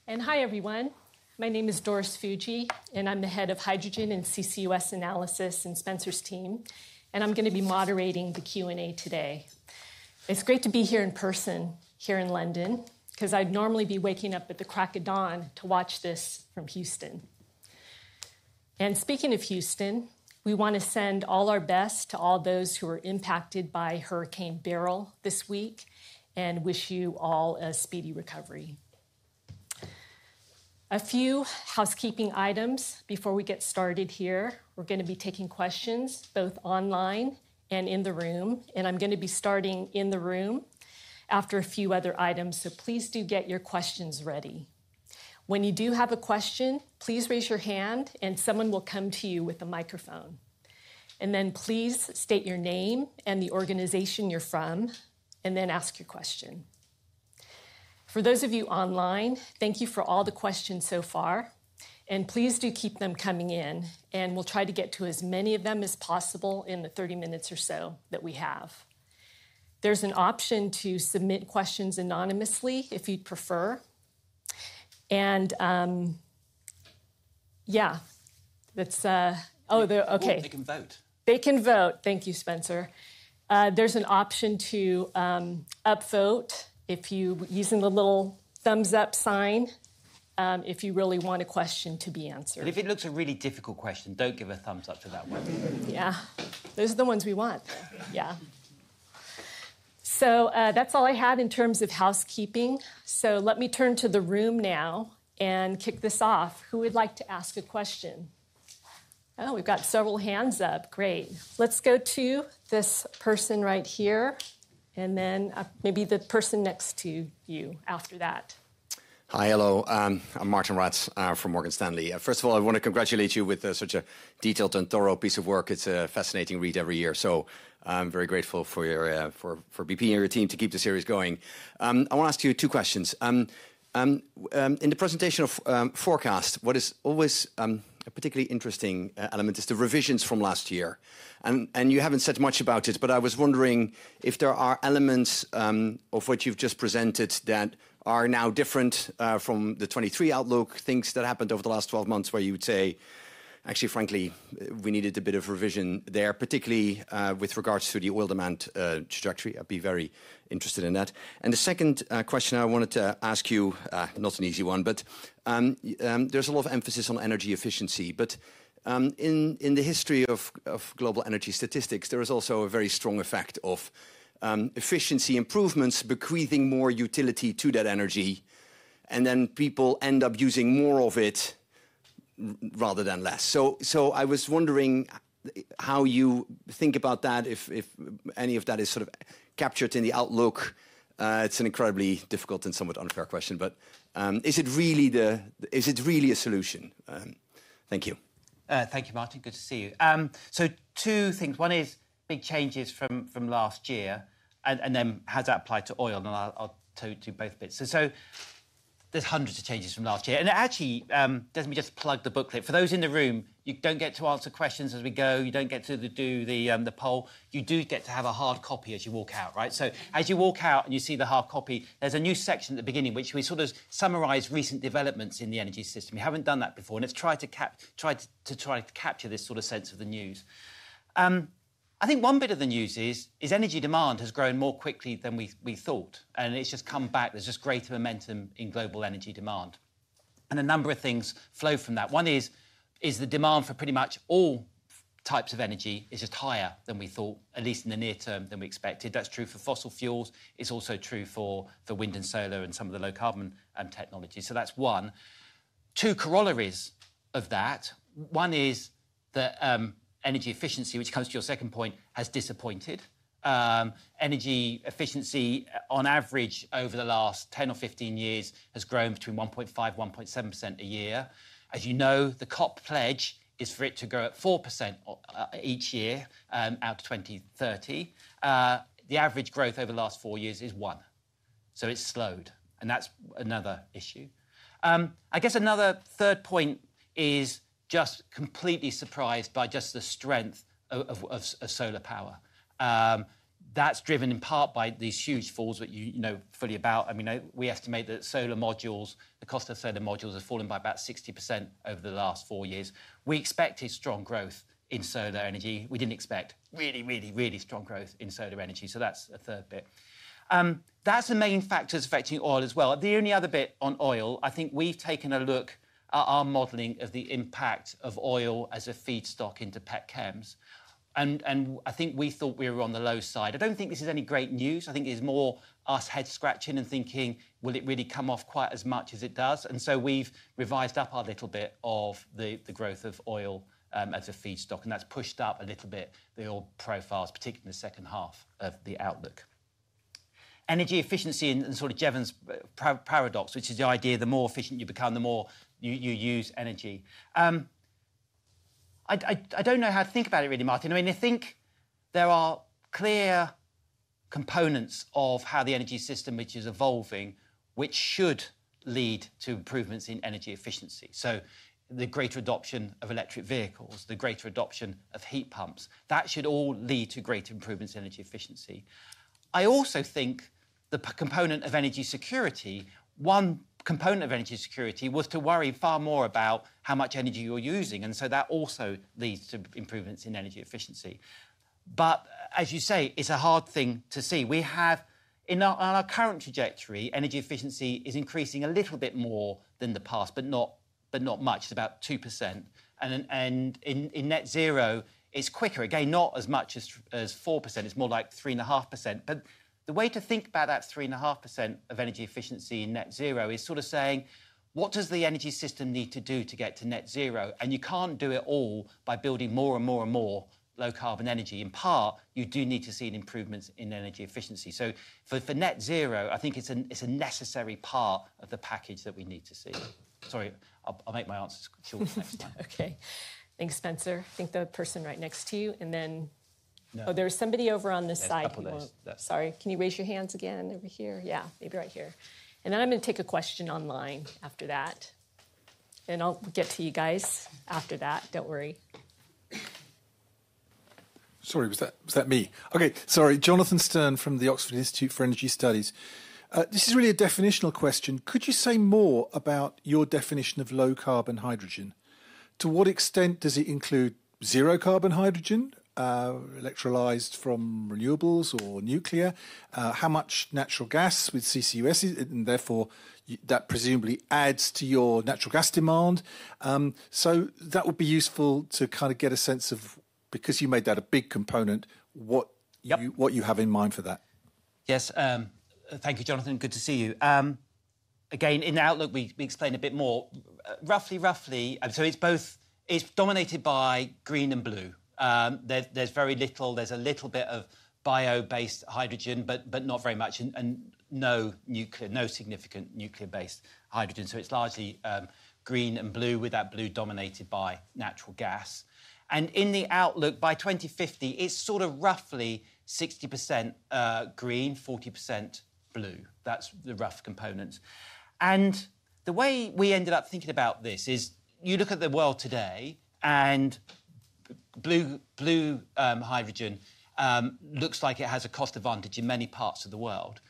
Hi, everyone. My name is Doris Fujii, and I'm the Head of Hydrogen and CCUS Analysis in Spencer's team. I'm going to be moderating the Q&A today. It's great to be here in person here in London because I'd normally be waking up at the crack of dawn to watch this from Houston. Speaking of Houston, we want to send all our best to all those who were impacted by Hurricane Beryl this week and wish you all a speedy recovery. A few housekeeping items before we get started here. We're going to be taking questions both online and in the room. I'm going to be starting in the room after a few other items. Please do get your questions ready. When you do have a question, please raise your hand, and someone will come to you with a microphone. Then please state your name and the organization you're from, and then ask your question. For those of you online, thank you for all the questions so far. Please do keep them coming in. We'll try to get to as many of them as possible in the 30 minutes or so that we have. There's an option to submit questions anonymously if you'd prefer. Yeah, that's. Oh, okay. They can vote. They can vote. Thank you, Spencer. There's an option to upvote using the little thumbs-up sign if you really want a question to be answered. If it looks like a really difficult question, don't give a thumbs-up to that one. Yeah. Those are the ones we want. Yeah. So, that's all I had in terms of housekeeping. So, let me turn to the room now and kick this off. Who would like to ask a question? Oh, we've got several hands up. Great. Let's go to this person right here, and then maybe the person next to you after that. Hi, hello. I'm Martijn Rats from Morgan Stanley. First of all, I want to congratulate you with such a detailed and thorough piece of work. It's a fascinating read every year. So, I'm very grateful for BP and your team to keep the series going. I want to ask you two questions. In the presentation of forecast, what is always a particularly interesting element is the revisions from last year. And you haven't said much about it, but I was wondering if there are elements of what you've just presented that are now different from the 2023 outlook, things that happened over the last 12 months where you would say, actually, frankly, we needed a bit of revision there, particularly with regards to the oil demand trajectory. I'd be very interested in that. And the second question I wanted to ask you, not an easy one, but there's a lot of emphasis on energy efficiency. But in the history of global energy statistics, there is also a very strong effect of efficiency improvements bequeathing more utility to that energy, and then people end up using more of it rather than less. So, I was wondering how you think about that, if any of that is sort of captured in the outlook. It's an incredibly difficult and somewhat unfair question, but is it really a solution? Thank you. Thank you, Martijn. Good to see you. So, two things. One is big changes from last year, and then how does that apply to oil? And I'll tell you both bits. So, there's hundreds of changes from last year. And actually, let me just plug the booklet. For those in the room, you don't get to answer questions as we go. You don't get to do the poll. You do get to have a hard copy as you walk out, right? So, as you walk out and you see the hard copy, there's a new section at the beginning, which we sort of summarize recent developments in the energy system. We haven't done that before. And it's tried to capture this sort of sense of the news. I think one bit of the news is energy demand has grown more quickly than we thought. And it's just come back. There's just greater momentum in global energy demand. And a number of things flow from that. One is the demand for pretty much all types of energy is just higher than we thought, at least in the near term than we expected. That's true for fossil fuels. It's also true for the wind and solar and some of the low-carbon technologies. So, that's one. Two corollaries of that. One is that energy efficiency, which comes to your second point, has disappointed. Energy efficiency, on average, over the last 10 or 15 years has grown between 1.5% and 1.7% a year. As you know, the COP pledge is for it to grow at 4% each year out to 2030. The average growth over the last four years is 1%. So, it's slowed. And that's another issue. I guess another third point is just completely surprised by just the strength of solar power. That's driven in part by these huge falls that you know fully about. I mean, we estimate that solar modules, the cost of solar modules has fallen by about 60% over the last 4 years. We expected strong growth in solar energy. We didn't expect really, really, really strong growth in solar energy. So, that's a third bit. That's the main factors affecting oil as well. The only other bit on oil, I think we've taken a look at our modeling of the impact of oil as a feedstock into petchems. And I think we thought we were on the low side. I don't think this is any great news. I think it is more us head-scratching and thinking, will it really come off quite as much as it does? And so, we've revised up our little bit of the growth of oil as a feedstock. And that's pushed up a little bit the oil profiles, particularly in the second half of the outlook. Energy efficiency and sort of Jevons paradox, which is the idea the more efficient you become, the more you use energy. I don't know how to think about it really, Martijn. I mean, I think there are clear components of how the energy system which is evolving, which should lead to improvements in energy efficiency. So, the greater adoption of electric vehicles, the greater adoption of heat pumps, that should all lead to greater improvements in energy efficiency. I also think the component of energy security, one component of energy security was to worry far more about how much energy you're using. And so, that also leads to improvements in energy efficiency. But as you say, it's a hard thing to see. We have, on our Current Trajectory, energy efficiency is increasing a little bit more than the past, but not much. It's about 2%. And in Net Zero, it's quicker. Again, not as much as 4%. It's more like 3.5%. But the way to think about that 3.5% of energy efficiency in Net Zero is sort of saying, what does the energy system need to do to get to Net Zero? And you can't do it all by building more and more and more low-carbon energy. In part, you do need to see an improvement in energy efficiency. So, for Net Zero, I think it's a necessary part of the package that we need to see. Sorry, I'll make my answers short next time. Okay. Thanks, Spencer. I think the person right next to you. And then, oh, there was somebody over on this side. Sorry. Can you raise your hands again over here? Yeah, maybe right here. And then I'm going to take a question online after that. And I'll get to you guys after that. Don't worry. Sorry, was that me? Okay, sorry. Jonathan Stern from the Oxford Institute for Energy Studies. This is really a definitional question. Could you say more about your definition of low-carbon hydrogen? To what extent does it include zero-carbon hydrogen, electrolyzed from renewables or nuclear? How much natural gas with CCUS? And therefore, that presumably adds to your natural gas demand. So, that would be useful to kind of get a sense of, because you made that a big component, what you have in mind for that. Yes. Thank you, Jonathan. Good to see you. Again, in the outlook, we explain a bit more. Roughly, roughly, so it's dominated by green and blue. There's very little. There's a little bit of bio-based hydrogen, but not very much. And no significant nuclear-based hydrogen. So, it's largely green and blue, with that blue dominated by natural gas. And in the outlook, by 2050, it's sort of roughly 60% green, 40% blue. That's the rough component. And the way we ended up thinking about this is you look at the world today, and blue hydrogen looks like it has a cost advantage in many parts of the world.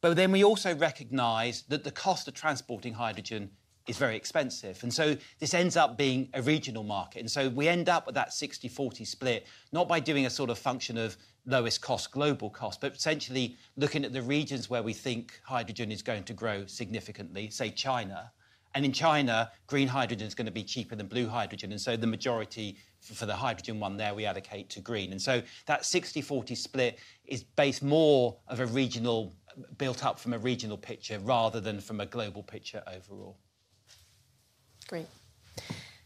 But then we also recognize that the cost of transporting hydrogen is very expensive. And so, this ends up being a regional market. We end up with that 60/40 split, not by doing a sort of function of lowest cost, global cost, but essentially looking at the regions where we think hydrogen is going to grow significantly, say China. In China, green hydrogen is going to be cheaper than blue hydrogen. That 60/40 split is based more on a regional built-up from a regional picture rather than from a global picture overall. Great.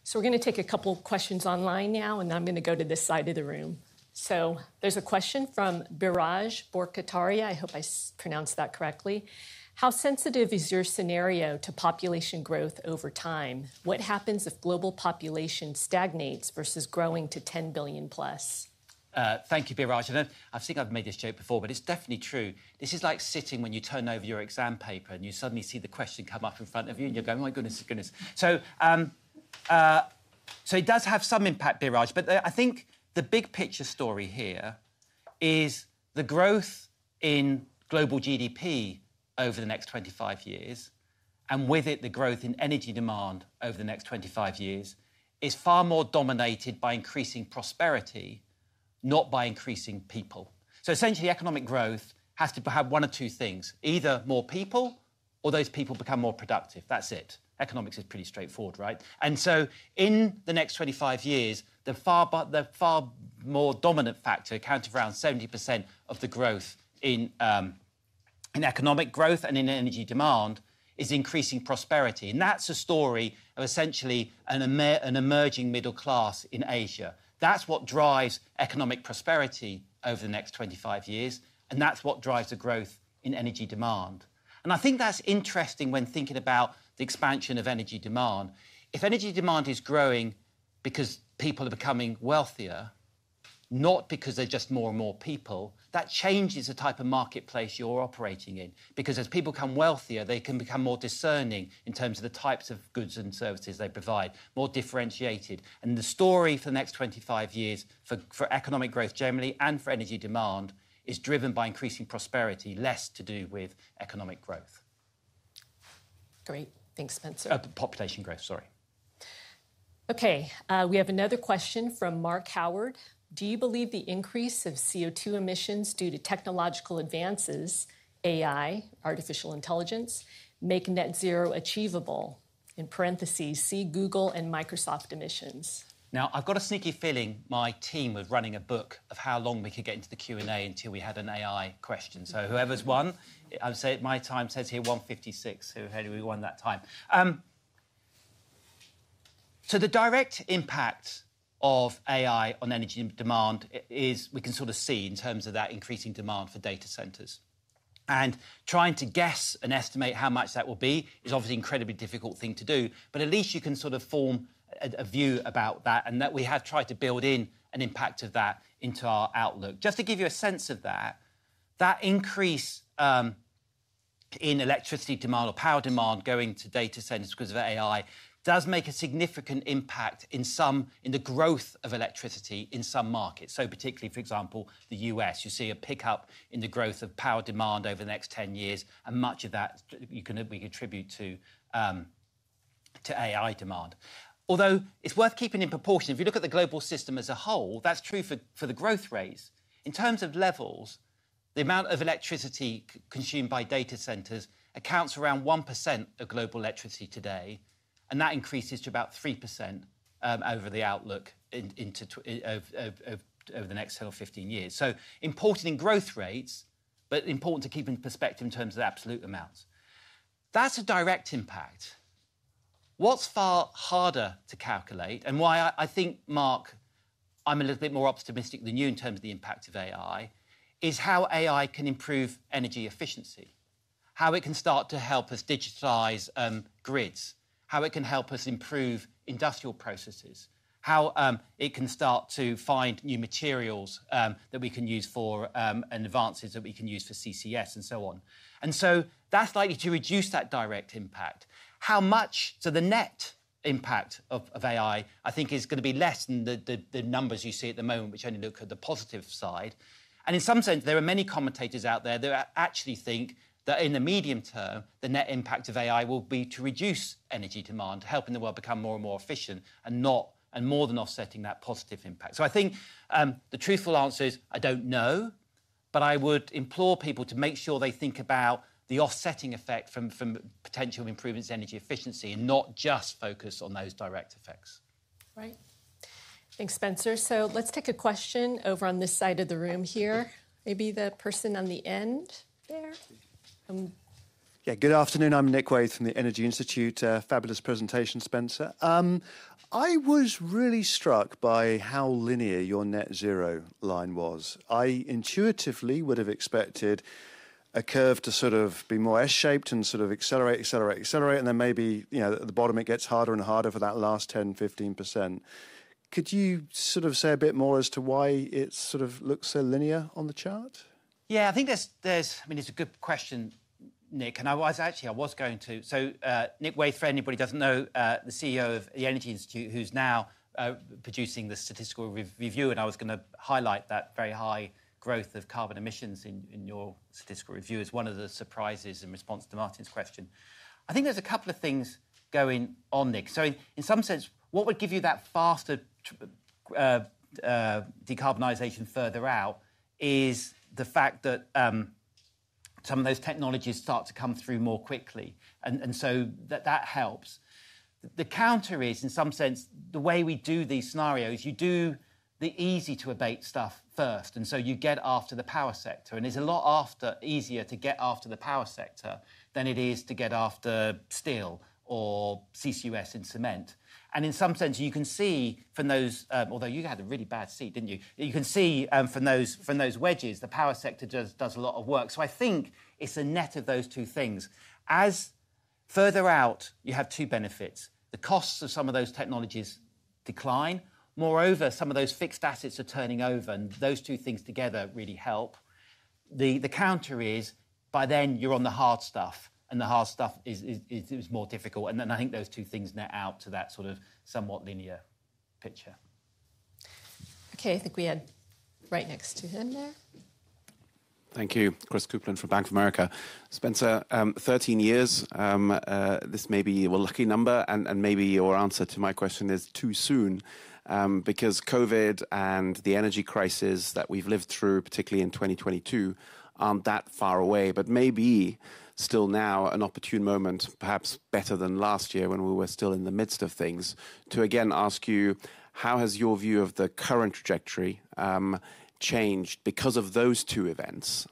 So, we're going to take a couple of questions online now, and I'm going to go to this side of the room. So, there's a question from Biraj Borkhataria. I hope I pronounced that correctly. How sensitive is your scenario to population growth over time? What happens if global population stagnates versus growing to 10 billion+? Thank you, Biraj. And I think I've made this joke before, but it's definitely true. This is like sitting when you turn over your exam paper and you suddenly see the question come up in front of you, and you're going, "Oh, my goodness, goodness." So, it does have some impact, Biraj. But I think the big picture story here is the growth in global GDP over the next 25 years, and with it, the growth in energy demand over the next 25 years is far more dominated by increasing prosperity, not by increasing people. So, essentially, economic growth has to have one of two things. Either more people or those people become more productive. That's it. Economics is pretty straightforward, right? And so, in the next 25 years, the far more dominant factor, counted around 70% of the growth in economic growth and in energy demand, is increasing prosperity. That's a story of essentially an emerging middle class in Asia. That's what drives economic prosperity over the next 25 years. That's what drives the growth in energy demand. I think that's interesting when thinking about the expansion of energy demand. If energy demand is growing because people are becoming wealthier, not because there are just more and more people, that changes the type of marketplace you're operating in. Because as people become wealthier, they can become more discerning in terms of the types of goods and services they provide, more differentiated. The story for the next 25 years for economic growth generally and for energy demand is driven by increasing prosperity, less to do with economic growth. Great. Thanks, Spencer. Population growth, sorry. Okay. We have another question from Mark Howard. Do you believe the increase of CO2 emissions due to technological advances, AI, artificial intelligence, make Net Zero achievable? In parentheses, see Google and Microsoft emissions. Now, I've got a sneaky feeling my team was running a book of how long we could get into the Q&A until we had an AI question. So, whoever's won, I'll say my time says here, 1:56. So, how do we win that time? So, the direct impact of AI on energy demand is we can sort of see in terms of that increasing demand for data centers. And trying to guess and estimate how much that will be is obviously an incredibly difficult thing to do. But at least you can sort of form a view about that. And we have tried to build in an impact of that into our outlook. Just to give you a sense of that, that increase in electricity demand or power demand going to data centers because of AI does make a significant impact in the growth of electricity in some markets. So, particularly, for example, the U.S., you see a pickup in the growth of power demand over the next 10 years. And much of that we can attribute to AI demand. Although it's worth keeping in proportion, if you look at the global system as a whole, that's true for the growth rates. In terms of levels, the amount of electricity consumed by data centers accounts for around 1% of global electricity today. And that increases to about 3% over the outlook over the next 10 or 15 years. So, important in growth rates, but important to keep in perspective in terms of absolute amounts. That's a direct impact. What's far harder to calculate, and why I think, Mark, I'm a little bit more optimistic than you in terms of the impact of AI, is how AI can improve energy efficiency, how it can start to help us digitize grids, how it can help us improve industrial processes, how it can start to find new materials that we can use for and advances that we can use for CCS and so on. And so, that's likely to reduce that direct impact. How much? So, the net impact of AI, I think, is going to be less than the numbers you see at the moment, which only look at the positive side. In some sense, there are many commentators out there that actually think that in the medium term, the net impact of AI will be to reduce energy demand, helping the world become more and more efficient and more than offsetting that positive impact. I think the truthful answer is I don't know. I would implore people to make sure they think about the offsetting effect from potential improvements in energy efficiency and not just focus on those direct effects. Right. Thanks, Spencer. So, let's take a question over on this side of the room here. Maybe the person on the end there. Yeah, good afternoon. I'm Nick Wayth from the Energy Institute. Fabulous presentation, Spencer. I was really struck by how linear your Net Zero line was. I intuitively would have expected a curve to sort of be more S-shaped and sort of accelerate, accelerate, accelerate. And then maybe at the bottom, it gets harder and harder for that last 10%-15%. Could you sort of say a bit more as to why it sort of looks so linear on the chart? Yeah, I think there's, I mean, it's a good question, Nick. And actually, I was going to, so, Nick Wayth, for anybody who doesn't know, the CEO of the Energy Institute, who's now producing the statistical review. And I was going to highlight that very high growth of carbon emissions in your statistical review as one of the surprises in response to Martijn's question. I think there's a couple of things going on, Nick. So, in some sense, what would give you that faster decarbonization further out is the fact that some of those technologies start to come through more quickly. And so, that helps. The counter is, in some sense, the way we do these scenarios, you do the easy-to-abate stuff first. And so, you get after the power sector. It's a lot easier to get after the power sector than it is to get after steel or CCUS in cement. In some sense, you can see from those, although you had a really bad seat, didn't you? You can see from those wedges, the power sector does a lot of work. So, I think it's a net of those two things. As further out, you have two benefits. The costs of some of those technologies decline. Moreover, some of those fixed assets are turning over. And those two things together really help. The counter is, by then, you're on the hard stuff. And the hard stuff is more difficult. And then I think those two things net out to that sort of somewhat linear picture. Okay. I think we had right next to him there. Thank you. Christopher Kuplent for Bank of America. Spencer, 13 years. This may be a lucky number. And maybe your answer to my question is too soon. Because COVID and the energy crisis that we've lived through, particularly in 2022, aren't that far away. But maybe still now, an opportune moment, perhaps better than last year when we were still in the midst of things, to again ask you, how has your view of the Current Trajectory changed because of those two events?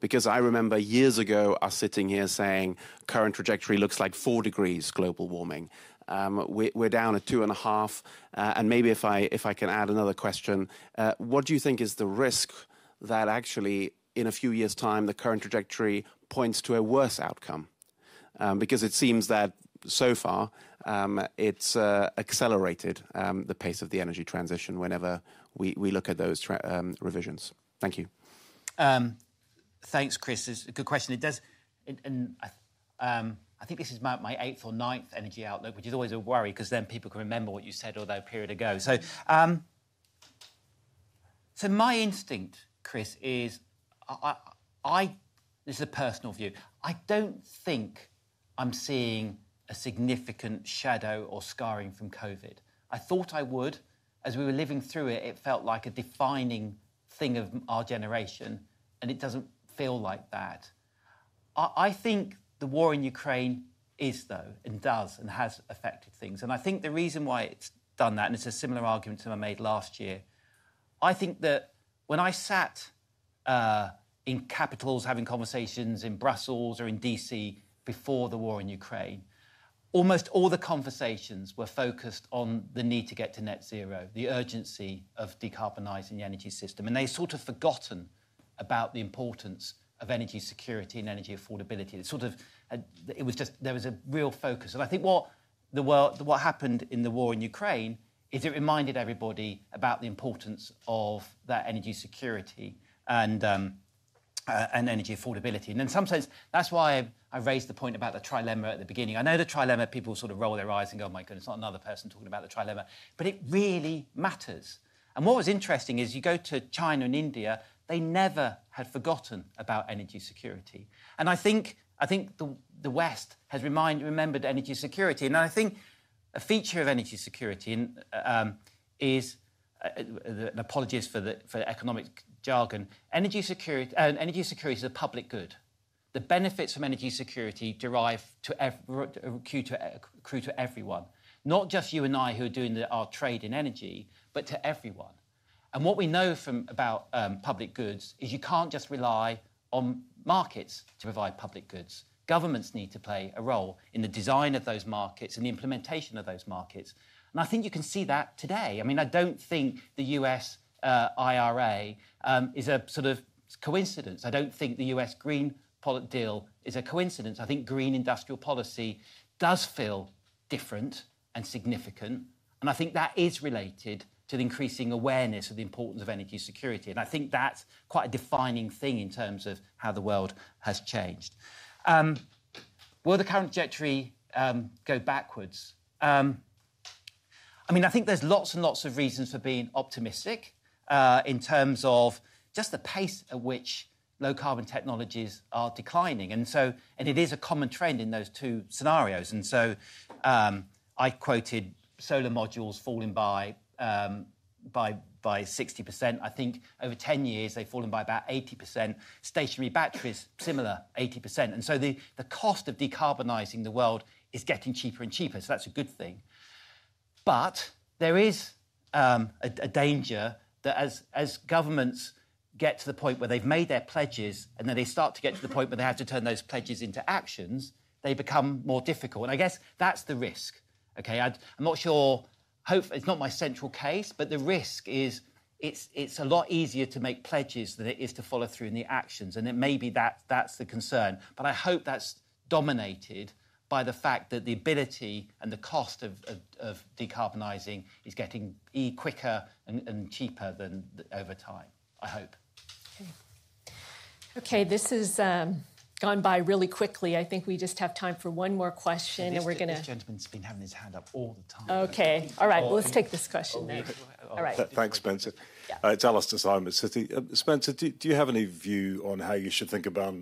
Because I remember years ago, us sitting here saying Current Trajectory looks like 4 degrees global warming. We're down at 2.5. And maybe if I can add another question, what do you think is the risk that actually, in a few years' time, the Current Trajectory points to a worse outcome? Because it seems that so far, it's accelerated the pace of the energy transition whenever we look at those revisions. Thank you. Thanks, Chris. It's a good question. I think this is my eighth or ninth energy outlook, which is always a worry because then people can remember what you said or that period ago. So, my instinct, Chris, is this is a personal view. I don't think I'm seeing a significant shadow or scarring from COVID. I thought I would. As we were living through it, it felt like a defining thing of our generation. And it doesn't feel like that. I think the war in Ukraine is, though, and does and has affected things. And I think the reason why it's done that, and it's a similar argument to what I made last year. I think that when I sat in capitals having conversations in Brussels or in D.C. before the war in Ukraine, almost all the conversations were focused on the need to get to Net Zero, the urgency of decarbonizing the energy system. And they sort of forgotten about the importance of energy security and energy affordability. It sort of was just there was a real focus. And I think what happened in the war in Ukraine is it reminded everybody about the importance of that energy security and energy affordability. And in some sense, that's why I raised the point about the trilemma at the beginning. I know the trilemma, people sort of roll their eyes and go, "Oh, my goodness, not another person talking about the trilemma." But it really matters. And what was interesting is you go to China and India, they never had forgotten about energy security. And I think the West has remembered energy security. And I think a feature of energy security is an apologist for the economic jargon. Energy security is a public good. The benefits from energy security derive to accrue to everyone, not just you and I who are doing our trade in energy, but to everyone. And what we know about public goods is you can't just rely on markets to provide public goods. Governments need to play a role in the design of those markets and the implementation of those markets. And I think you can see that today. I mean, I don't think the U.S. IRA is a sort of coincidence. I don't think the U.S. Green Policy Deal is a coincidence. I think green industrial policy does feel different and significant. And I think that is related to the increasing awareness of the importance of energy security. And I think that's quite a defining thing in terms of how the world has changed. Will the Current Trajectory go backwards? I mean, I think there's lots and lots of reasons for being optimistic in terms of just the pace at which low carbon technologies are declining. And it is a common trend in those two scenarios. And so, I quoted solar modules falling by 60%. I think over 10 years, they've fallen by about 80%. Stationary batteries, similar 80%. And so, the cost of decarbonizing the world is getting cheaper and cheaper. So, that's a good thing. But there is a danger that as governments get to the point where they've made their pledges and then they start to get to the point where they have to turn those pledges into actions, they become more difficult. And I guess that's the risk, OK? I'm not sure. It's not my central case. But the risk is it's a lot easier to make pledges than it is to follow through in the actions. And it may be that that's the concern. But I hope that's dominated by the fact that the ability and the cost of decarbonizing is getting quicker and cheaper over time, I hope. Okay. This has gone by really quickly. I think we just have time for one more question. And we're going to. This gentleman's been having his hand up all the time. OK. All right. Well, let's take this question then. All right. Thanks, Spencer. It's Alastair Syme. Spencer, do you have any view on how you should think about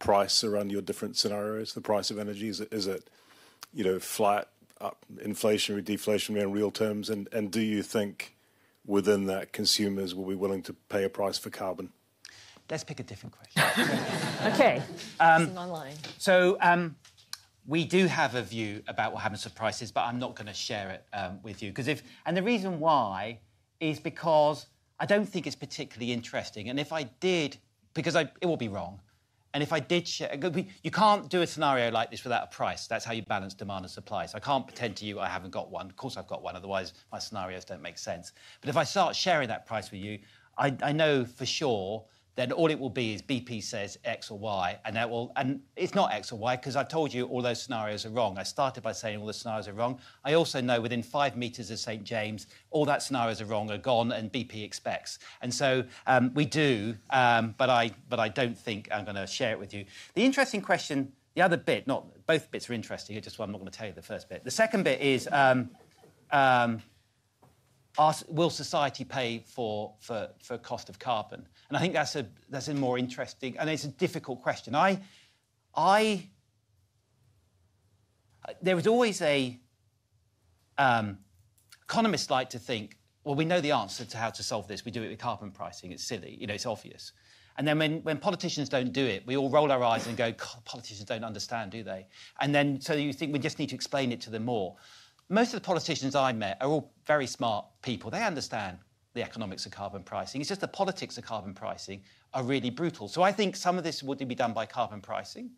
price around your different scenarios, the price of energy? Is it flat, inflationary, deflationary in real terms? And do you think within that consumers will be willing to pay a price for carbon? Let's pick a different question. Okay. So, we do have a view about what happens to prices. But I'm not going to share it with you. And the reason why is because I don't think it's particularly interesting. And if I did, because it will be wrong. And if I did share, you can't do a scenario like this without a price. That's how you balance demand and supply. So, I can't pretend to you I haven't got one. Of course, I've got one. Otherwise, my scenarios don't make sense. But if I start sharing that price with you, I know for sure that all it will be is BP says X or Y. And it's not X or Y because I've told you all those scenarios are wrong. I started by saying all the scenarios are wrong. I also know within five meters of St. James, all those scenarios are wrong, are gone, and BP expects. So, we do. But I don't think I'm going to share it with you. The interesting question, the other bit, not both bits are interesting. Just, I'm not going to tell you the first bit. The second bit is, will society pay for cost of carbon? And I think that's a more interesting and it's a difficult question. There was always an economist like to think, well, we know the answer to how to solve this. We do it with carbon pricing. It's silly. It's obvious. And then when politicians don't do it, we all roll our eyes and go, politicians don't understand, do they? And then, so you think we just need to explain it to them more. Most of the politicians I met are all very smart people. They understand the economics of carbon pricing. It's just the politics of carbon pricing are really brutal. So, I think some of this will be done by carbon pricing.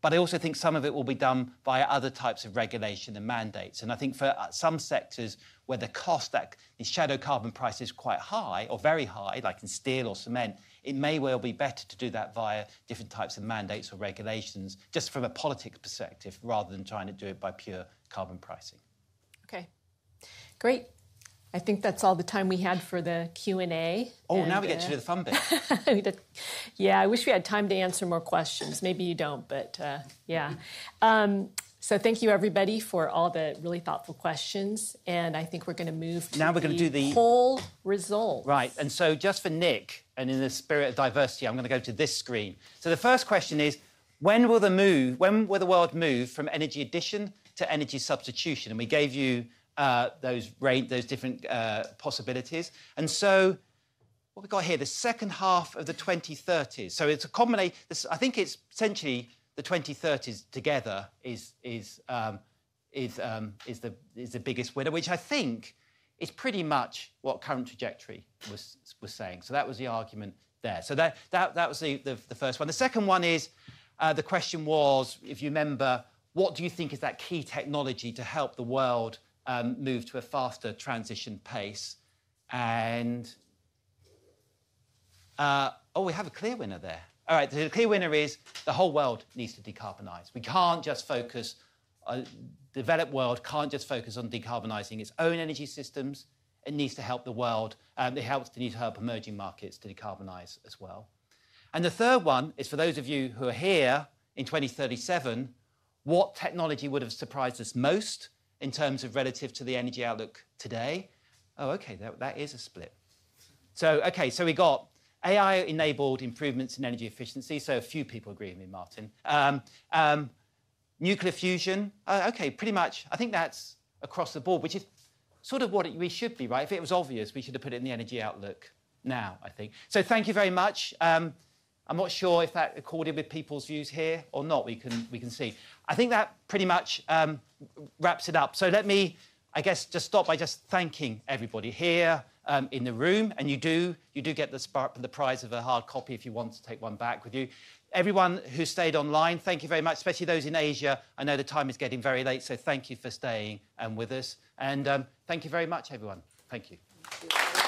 But I also think some of it will be done by other types of regulation and mandates. And I think for some sectors where the cost, the shadow carbon price is quite high or very high, like in steel or cement, it may well be better to do that via different types of mandates or regulations just from a politics perspective rather than trying to do it by pure carbon pricing. OK. Great. I think that's all the time we had for the Q&A. Oh, now we get to do the fun bit. Yeah, I wish we had time to answer more questions. Maybe you don't. But yeah. So, thank you, everybody, for all the really thoughtful questions. And I think we're going to move to the poll result. Now we're going to do the. Right. And so, just for Nick, and in the spirit of diversity, I'm going to go to this screen. So, the first question is, when will the world move from energy addition to energy substitution? And we gave you those different possibilities. And so, what we've got here, the second half of the 2030s. So, it's a combination I think it's essentially the 2030s together is the biggest winner, which I think is pretty much what Current Trajectory was saying. So, that was the argument there. So, that was the first one. The second one is, the question was, if you remember, what do you think is that key technology to help the world move to a faster transition pace? And oh, we have a clear winner there. All right. The clear winner is the whole world needs to decarbonize. We can't just focus. The developed world can't just focus on decarbonizing its own energy systems. It needs to help the world. It helps the need to help emerging markets to decarbonize as well. And the third one is, for those of you who are here in 2037, what technology would have surprised us most in terms of relative to the energy outlook today? Oh, OK. That is a split. So, OK. So, we got AI-enabled improvements in energy efficiency. So, a few people agree with me, Martijn. Nuclear fusion. OK, pretty much. I think that's across the board, which is sort of what we should be, right? If it was obvious, we should have put it in the energy outlook now, I think. So, thank you very much. I'm not sure if that accorded with people's views here or not. We can see. I think that pretty much wraps it up. So, let me, I guess, just stop by just thanking everybody here in the room. And you do get the prize of a hard copy if you want to take one back with you. Everyone who stayed online, thank you very much, especially those in Asia. I know the time is getting very late. So, thank you for staying with us. And thank you very much, everyone. Thank you.